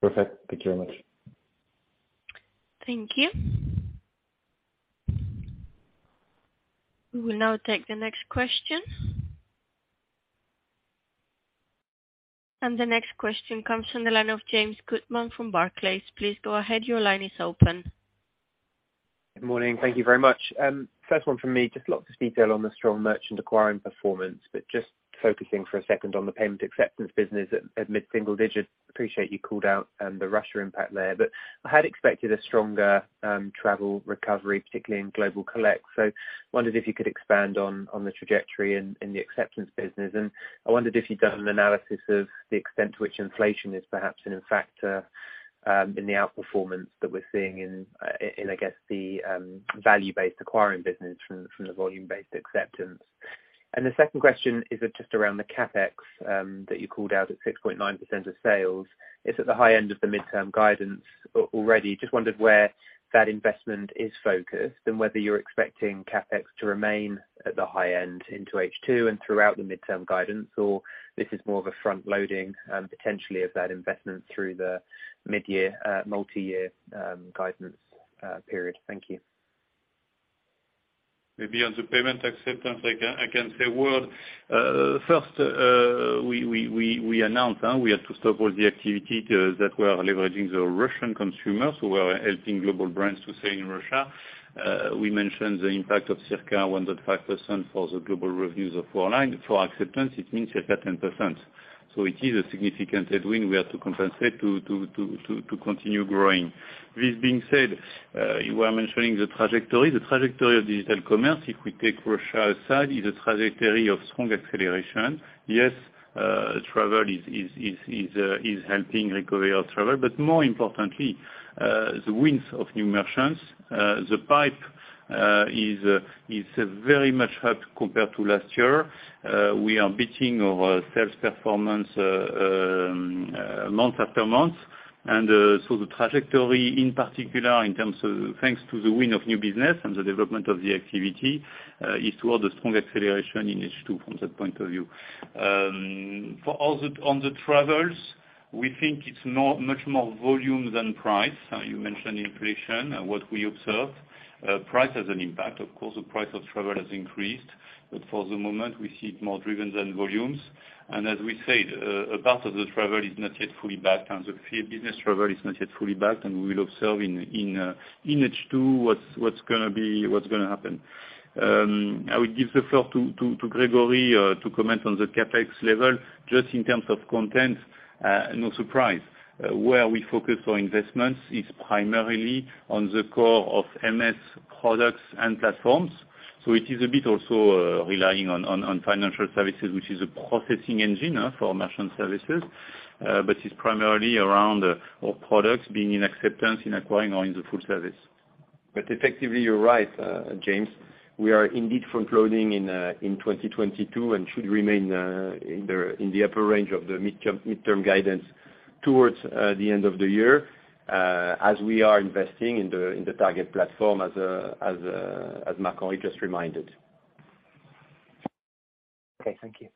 Perfect. Thank you very much. Thank you. We will now take the next question. The next question comes from the line of James Goodman from Barclays. Please go ahead, your line is open. Good morning. Thank you very much. First one from me, just lots of detail on the strong merchant acquiring performance, but just focusing for a second on the payment acceptance business at mid-single digit. Appreciate you called out, the Russia impact there. I had expected a stronger, travel recovery, particularly in Global Collect. Wondered if you could expand on, the trajectory in, the acceptance business. I wondered if you'd done an analysis of the extent to which inflation is perhaps a new factor, in the outperformance that we're seeing in, I guess, the, value-based acquiring business from, the volume-based acceptance. The second question is just around the CapEx, that you called out at 6.9% of sales. It's at the high end of the midterm guidance already. Just wondered where that investment is focused and whether you're expecting CapEx to remain at the high end into H2 and throughout the mid-term guidance, or this is more of a front loading, potentially of that investment through the mid-year, multi-year, guidance, period? Thank you. Maybe on the payment acceptance, I can say a word. First, we announce we have to stop all the activity that we are leveraging the Russian consumers who are helping global brands to stay in Russia. We mentioned the impact of circa 1.5% for the global revenues of online. For acceptance, it means circa 10%. It is a significant headwind we have to compensate to continue growing. This being said, you are mentioning the trajectory. The trajectory of digital commerce, if we take Russia outside, is a trajectory of strong acceleration. Yes, travel is helping recovery of travel, but more importantly, the wins of new merchants. The pipeline is very much helped compared to last year. We are beating our sales performance month after month. The trajectory in particular in terms of, thanks to the win of new business and the development of the activity, is toward a strong acceleration in H2 from that point of view. On the travel, we think it's not much more volume than price. You mentioned inflation, what we observed. Price has an impact, of course. The price of travel has increased, but for the moment, we see it more driven than volumes. As we said, a part of the travel is not yet fully back, and the B2B business travel is not yet fully back, and we will observe in H2 what's gonna happen. I will give the floor to Grégory to comment on the CapEx level, just in terms of content, no surprise. Where we focus our investments is primarily on the core of MS products and platforms. It is a bit also relying on financial services, which is a processing engine for merchant services. It is primarily around our products being in acceptance in acquiring or in the full service. Effectively, you are right, James, we are indeed front-loading in 2022 and should remain in the upper range of the midterm guidance towards the end of the year, as we are investing in the target platform as Marc-Henri just reminded. Okay. Thank you.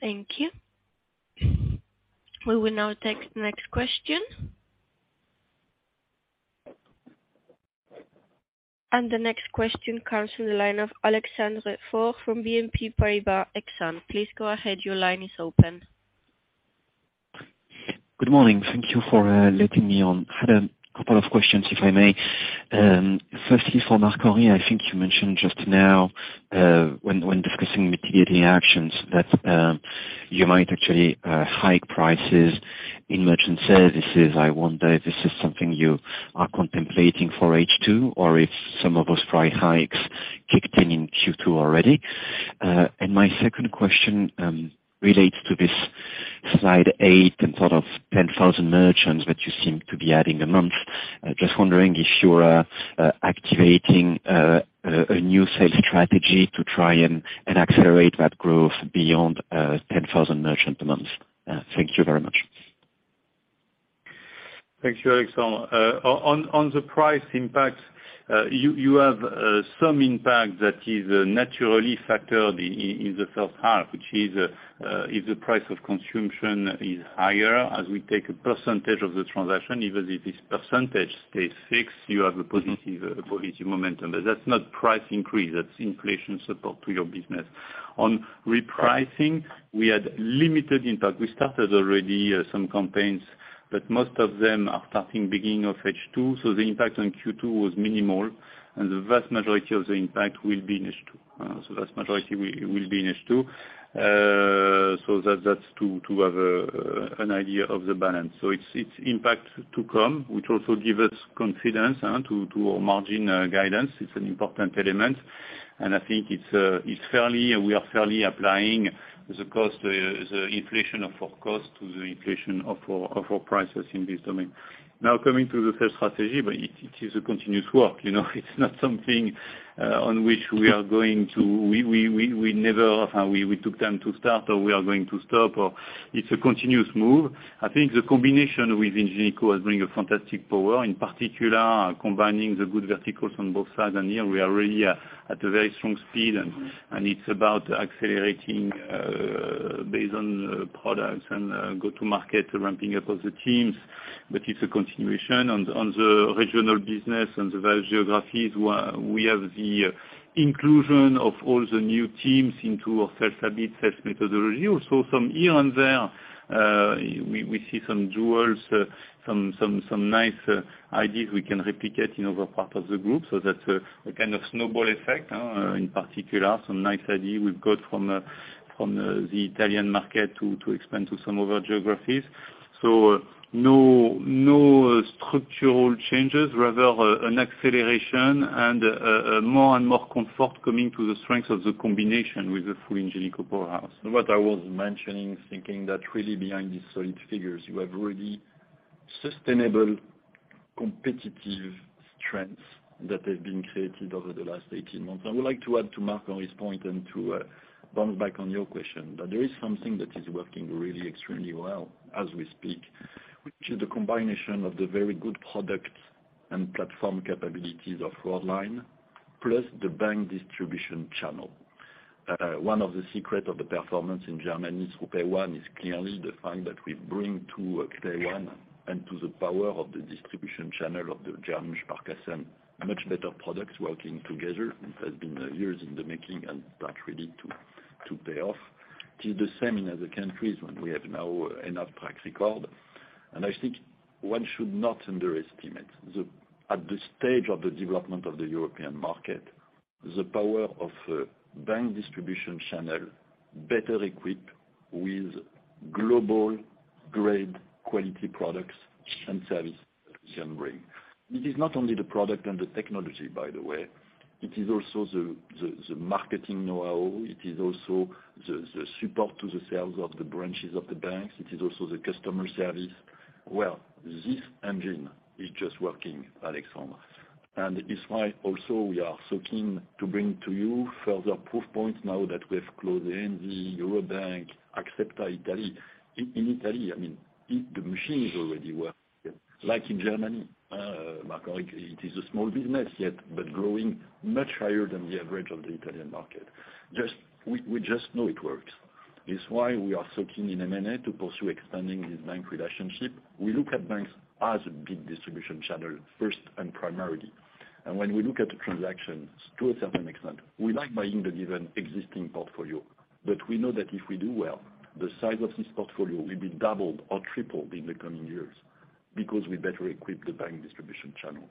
Thank you. We will now take the next question. The next question comes from the line of Alexandre Faure from BNP Paribas Exane. Please go ahead. Your line is open. Good morning. Thank you for letting me on. I had a couple of questions, if I may. Firstly, for Marc-Henri Desportes, I think you mentioned just now, when discussing mitigating actions that you might actually hike prices in merchant services. I wonder if this is something you are contemplating for H2, or if some of those price hikes kicked in in Q2 already. My second question relates to this slide 8 and sort of 10,000 merchants that you seem to be adding a month. Just wondering if you're activating a new sales strategy to try and accelerate that growth beyond 10,000 merchants a month. Thank you very much. Thank you, Alexandre. On the price impact, you have some impact that is naturally factored in in the first half, which is if the price of consumption is higher, as we take a percentage of the transaction, even if this percentage stays fixed, you have a positive. Mm-hmm. A positive momentum. That's not price increase, that's inflation support to your business. On repricing, we had limited impact. We started already some campaigns, but most of them are starting beginning of H2, so the impact on Q2 was minimal, and the vast majority of the impact will be in H2. Vast majority will be in H2. That's to have an idea of the balance. It's impact to come, which also give us confidence to our margin guidance. It's an important element, and I think we are fairly applying the cost, the inflation of our cost to the inflation of our prices in this domain. Now, coming to the sales strategy, but it is a continuous work, you know? We never took time to start, or we are going to stop. It's a continuous move. I think the combination with Ingenico has bring a fantastic power, in particular combining the good verticals on both sides. Here we are really at a very strong speed and it's about accelerating based on products and go-to-market, ramping up of the teams. It's a continuation on the regional business and the value geographies, where we have the inclusion of all the new teams into our sales habit, sales methodology also. From here on there, we see some jewels, some nice ideas we can replicate in other part of the group, so that's a kind of snowball effect, in particular, some nice idea we've got from the Italian market to expand to some other geographies. No structural changes, rather, an acceleration and more and more comfort coming to the strength of the combination with the full Ingenico powerhouse. What I was mentioning, thinking that really behind these solid figures, you have really sustainable competitive strengths that have been created over the last 18 months. I would like to add to Marc-Henri's point and to bounce back on your question, that there is something that is working really extremely well as we speak, which is the combination of the very good product and platform capabilities of Worldline, plus the bank distribution channel. One of the secrets of the performance in Germany through PAYONE is clearly the fact that we bring to PAYONE and to the power of the distribution channel of the German Sparkassen-Finanzgruppe a much better product working together, which has been years in the making and start really to pay off. It's the same in other countries when we have now enough track record. I think one should not underestimate, at the stage of the development of the European market, the power of a bank distribution channel better equipped with global grade quality products and service can bring. It is not only the product and the technology, by the way. It is also the marketing know-how. It is also the support to the sales of the branches of the banks. It is also the customer service. Well, this engine is just working, Alexandre. It's why also we are so keen to bring to you further proof points now that we have closed ANZ, Eurobank, Axepta Italy. In Italy, I mean, the machine is already working. Like in Germany, Marc-Henri, it is a small business, yet, but growing much higher than the average of the Italian market. We just know it works. It's why we are so keen in M&A to pursue expanding this bank relationship. We look at banks as a big distribution channel first and primarily. When we look at the transactions to a certain extent, we like buying the given existing portfolio. We know that if we do well, the size of this portfolio will be doubled or tripled in the coming years because we better equip the bank distribution channel.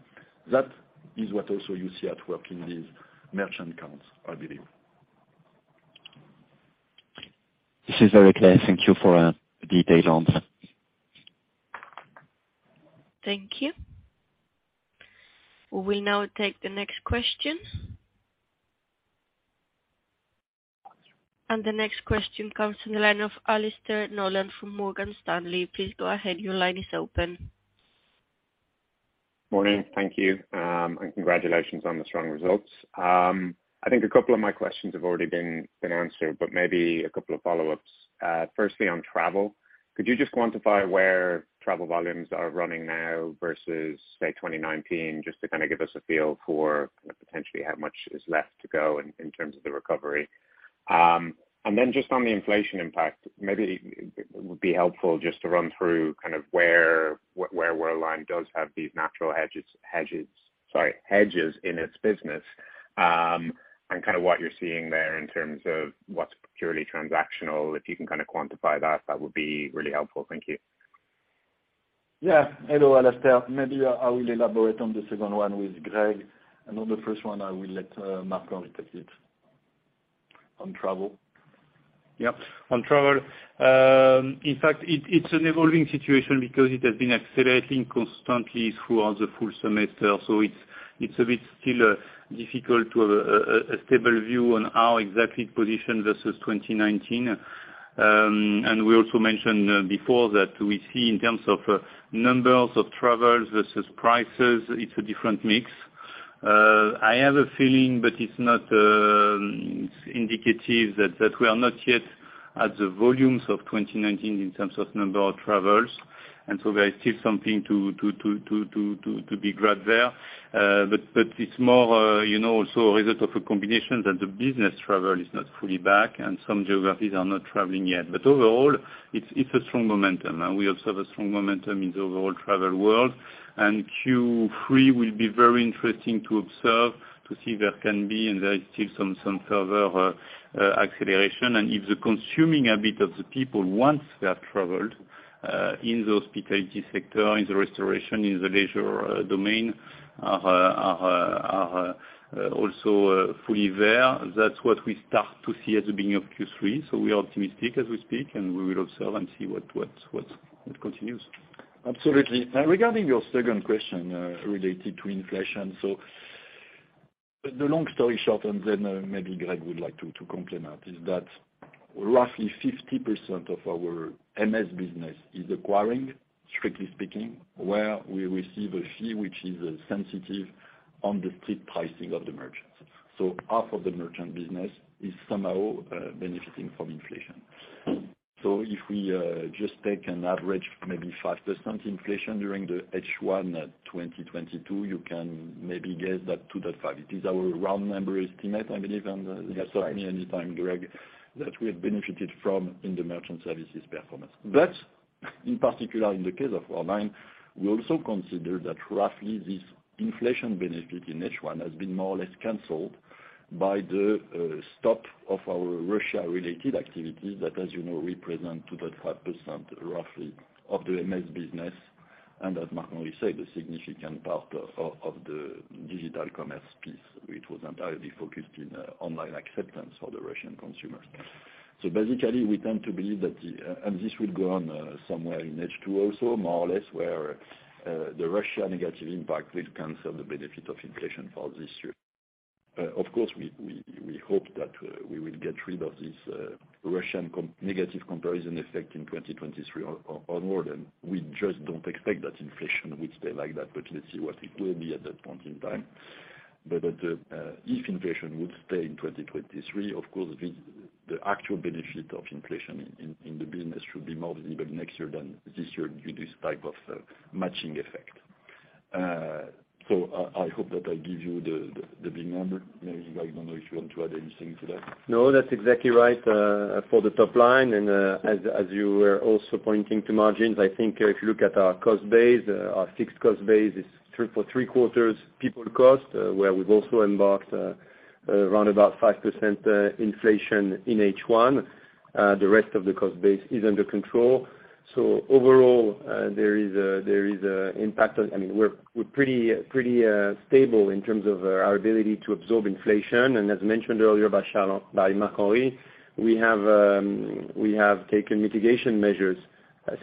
That is what also you see at work in these merchant accounts, I believe. This is very clear. Thank you for a detailed answer. Thank you. We will now take the next question. The next question comes from the line of Alastair Nolan from Morgan Stanley. Please go ahead. Your line is open. Morning. Thank you. Congratulations on the strong results. I think a couple of my questions have already been answered, but maybe a couple of follow-ups. Firstly on travel, could you just quantify where travel volumes are running now versus, say, 2019 just to kind of give us a feel for kind of potentially how much is left to go in terms of the recovery? Just on the inflation impact, maybe it would be helpful just to run through kind of where Worldline does have these natural hedges in its business, and kind of what you're seeing there in terms of what's purely transactional. If you can kind of quantify that would be really helpful. Thank you. Hello, Alastair. Maybe I will elaborate on the second one with Grégory. Another first one I will let Marc-Henri take it on travel. Yeah. On travel, in fact, it's an evolving situation because it has been accelerating constantly throughout the full semester. It's a bit still difficult to have a stable view on our exact position versus 2019. We also mentioned before that we see in terms of numbers of travels versus prices, it's a different mix. I have a feeling, but it's not indicative that that we are not yet at the volumes of 2019 in terms of number of travels. There is still something to be grabbed there. But it's more, you know, a result of a combination that the business travel is not fully back and some geographies are not traveling yet. Overall, it's a strong momentum. We observe a strong momentum in the overall travel world. Q3 will be very interesting to observe, to see there can be and there is still some further acceleration. If the consumer habit of the people once they have traveled in the hospitality sector, in the restaurant, in the leisure domain are also fully there, that's what we start to see at the beginning of Q3. We are optimistic as we speak, and we will observe and see what continues. Absolutely. Now regarding your second question, related to inflation, the long story short, and then maybe Greg would like to complement, is that roughly 50% of our MS business is acquiring, strictly speaking, where we receive a fee which is sensitive on the strip pricing of the merchants. Half of the merchant business is somehow benefiting from inflation. If we just take an average maybe 5% inflation during the H1 2022, you can maybe guess that 2%-5%. It is our round number estimate, I believe, and you can stop me anytime, Greg, that we have benefited from in the merchant services performance. In particular, in the case of online, we also consider that roughly this inflation benefit in H1 has been more or less canceled by the stop of our Russia-related activities that, as you know, represent 2.5% roughly of the MS business, and as Marc-Henri Desportes said, a significant part of the digital commerce piece, which was entirely focused in online acceptance for the Russian consumers. Basically, we tend to believe that this will go on somewhere in H2 also, more or less, where the Russia negative impact will cancel the benefit of inflation for this year. Of course, we hope that we will get rid of this Russian negative comparison effect in 2023 or onward. We just don't expect that inflation would stay like that, but let's see what it will be at that point in time. If inflation would stay in 2023, of course, the actual benefit of inflation in the business should be more visible next year than this year due to this type of matching effect. I hope that I give you the big number. Maybe, I don't know if you want to add anything to that. No, that's exactly right for the top line. As you were also pointing to margins, I think if you look at our cost base, our fixed cost base is three-quarters people cost, where we've also embark around about 5% inflation in H1. The rest of the cost base is under control. Overall, there is an impact. I mean, we're pretty stable in terms of our ability to absorb inflation. As mentioned earlier by Marc-Henri, we have taken mitigation measures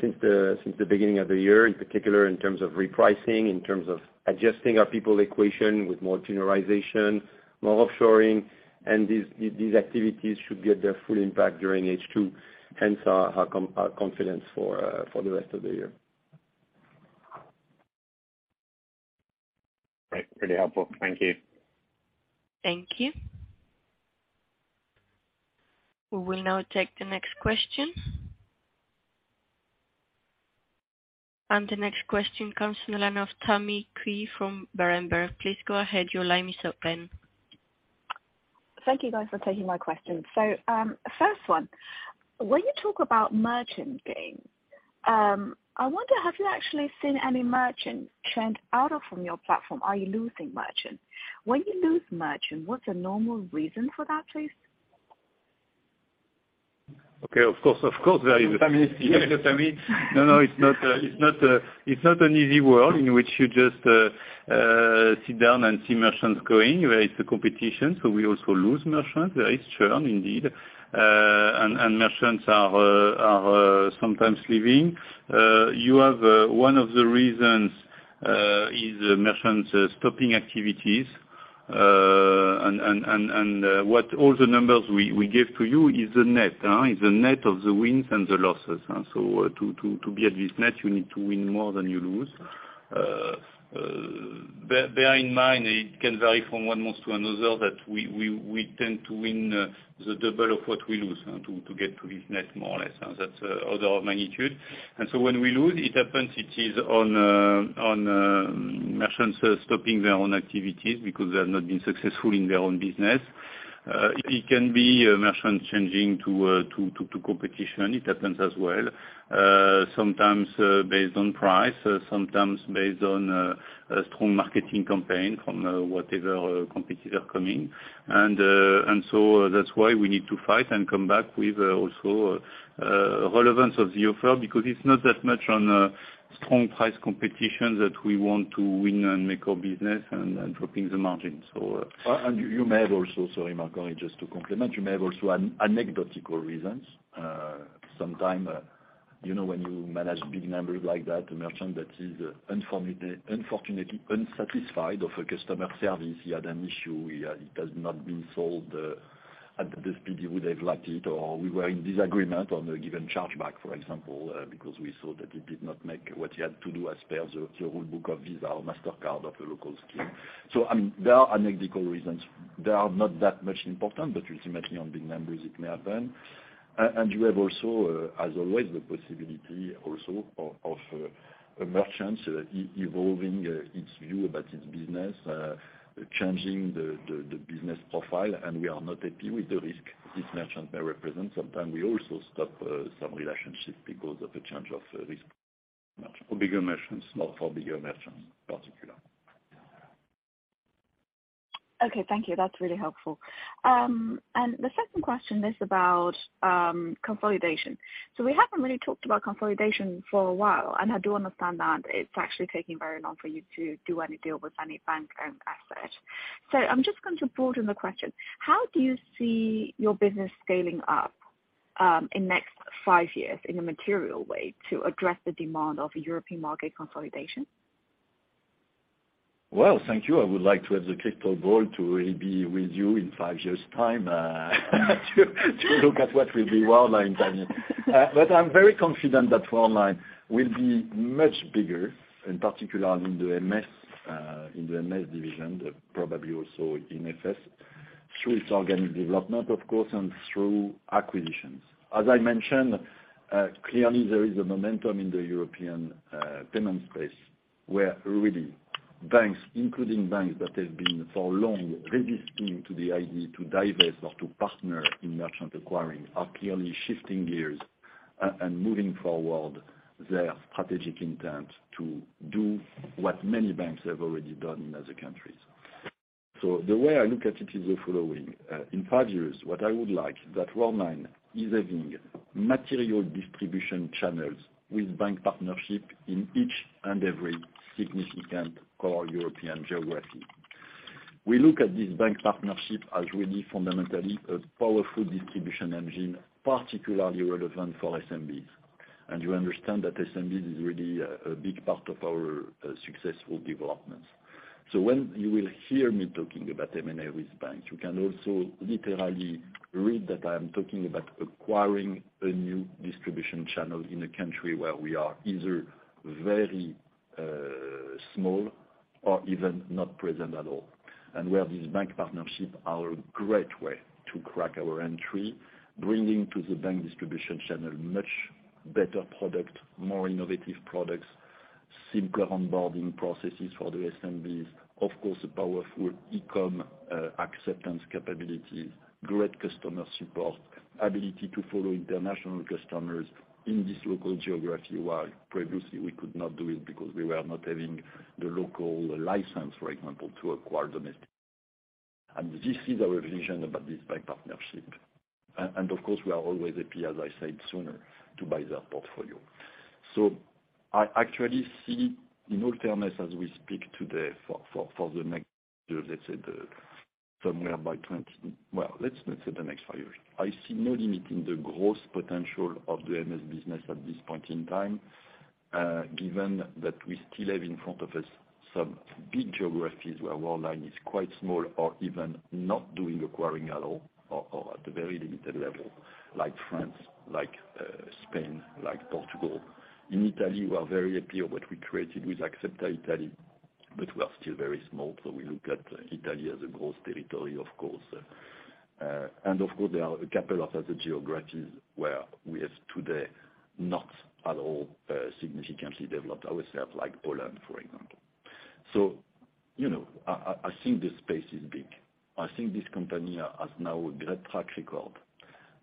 since the beginning of the year, in particular in terms of repricing, in terms of adjusting our people equation with more generalization, more offshoring, and these activities should get their full impact during H2, hence our confidence for the rest of the year. Right. Pretty helpful. Thank you. Thank you. We will now take the next question. The next question comes from the line of Tammy Qiu from Berenberg. Please go ahead. Your line is open. Thank you guys for taking my question. First one, when you talk about merchant game, I wonder, have you actually seen any merchant churn out of your platform? Are you losing merchants? When you lose merchants, what's a normal reason for that, please? Okay. Of course there is. Tammy. Yes, Tammy. No, it's not an easy world in which you just sit down and see merchants going. There is a competition, so we also lose merchants. There is churn indeed. Merchants are sometimes leaving. One of the reasons is a merchant stopping activities. What all the numbers we give to you is the net of the wins and the losses. To be at this net, you need to win more than you lose. Bear in mind it can vary from one month to another, that we tend to win the double of what we lose to get to this net more or less. That's other magnitude. When we lose, it happens on merchants stopping their own activities because they have not been successful in their own business. It can be a merchant changing to competition. It happens as well. Sometimes based on price, sometimes based on a strong marketing campaign from whatever competitor coming. That's why we need to fight and come back with also relevance of the offer, because it's not that much on a strong price competition that we want to win and make our business and dropping the margin. You may have also, sorry, Marc-Henri, just to complement, you may have also anecdotal reasons. Sometime, you know, when you manage big numbers like that, a merchant that is unfortunately unsatisfied of a customer service, he had an issue, it has not been solved at the speed he would have liked it, or we were in disagreement on a given chargeback, for example, because we saw that it did not make what he had to do as per the rule book of Visa or Mastercard or a local scheme. I mean, there are anecdotal reasons. They are not that much important, but ultimately on big numbers it may happen. You have also, as always, the possibility also of merchants evolving its view about its business, changing the business profile. We are not happy with the risk this merchant may represent. Sometimes we also stop some relationships because of the change of risk merchant. For bigger merchants, particular. Okay, thank you. That's really helpful. The second question is about consolidation. We haven't really talked about consolidation for a while, and I do understand that it's actually taking very long for you to do any deal with any bank-owned asset. I'm just going to broaden the question. How do you see your business scaling up in next five years in a material way to address the demand of European market consolidation? Well, thank you. I would like to have the crystal ball to really be with you in five years' time, to look at what will be Worldline then. But I'm very confident that Worldline will be much bigger, in particular in the MS division, probably also in FS, through its organic development of course, and through acquisitions. As I mentioned, clearly there is a momentum in the European payment space, where really banks, including banks that have been for long resisting to the idea to divest or to partner in merchant acquiring are clearly shifting gears and moving forward their strategic intent to do what many banks have already done in other countries. The way I look at it is the following. In five years, what I would like, that Worldline is having material distribution channels with bank partnership in each and every significant core European geography. We look at this bank partnership as really fundamentally a powerful distribution engine, particularly relevant for SMBs. You understand that SMBs is really a big part of our successful developments. When you will hear me talking about M&A with banks, you can also literally read that I am talking about acquiring a new distribution channel in a country where we are either very small or even not present at all. Where these bank partnerships are a great way to crack our entry, bringing to the bank distribution channel much better product, more innovative products, simpler onboarding processes for the SMBs, of course, a powerful eCom acceptance capabilities, great customer support, ability to follow international customers in this local geography, while previously we could not do it because we were not having the local license, for example, to acquire domestic. This is our vision about this bank partnership. and of course we are always happy, as I said earlier, to buy their portfolio. I actually see in all terms as we speak today for the next five years. I see no limit in the growth potential of the MS business at this point in time, given that we still have in front of us some big geographies where Worldline is quite small or even not doing acquiring at all or at a very limited level like France, like Spain, like Portugal. In Italy, we are very happy of what we created with Axepta Italy, but we are still very small. We look at Italy as a growth territory, of course. Of course there are a couple of other geographies where we have today not at all significantly developed ourselves, like Poland, for example. You know, I think this space is big. I think this company has now a great track record.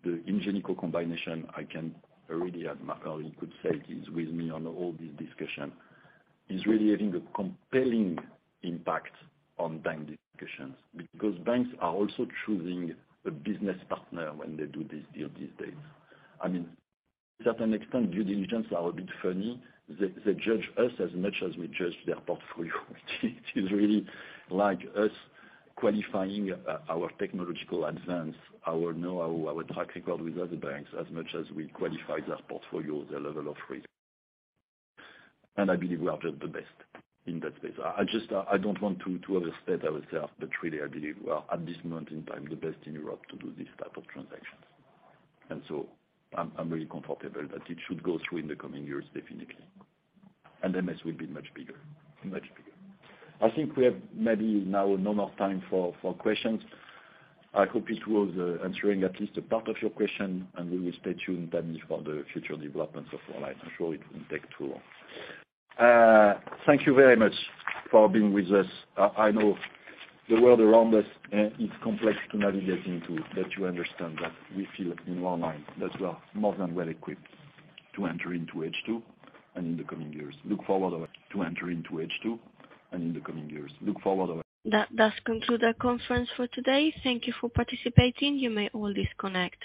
The Ingenico combination, I can really admire, or you could say is with me on all this discussion, is really having a compelling impact on bank discussions, because banks are also choosing a business partner when they do this deal these days. I mean, to a certain extent, due diligence are a bit funny. They judge us as much as we judge their portfolio. Which is really like us qualifying our technological advance, our know-how, our track record with other banks, as much as we qualify their portfolio, their level of risk. I believe we are just the best in that space. I just, I don't want to overstate ourselves, but really, I believe we are, at this moment in time, the best in Europe to do these type of transactions. I'm really comfortable that it should go through in the coming years, definitely. MS will be much bigger. I think we have maybe now no more time for questions. I hope it was answering at least a part of your question, and we will stay tuned then for the future developments of Worldline. I'm sure it won't take too long. Thank you very much for being with us. I know the world around us, it's complex to navigate into, but you understand that we feel in Worldline that we are more than well equipped to enter into H2 and in the coming years look forward. That does conclude our conference for today. Thank you for participating. You may all disconnect.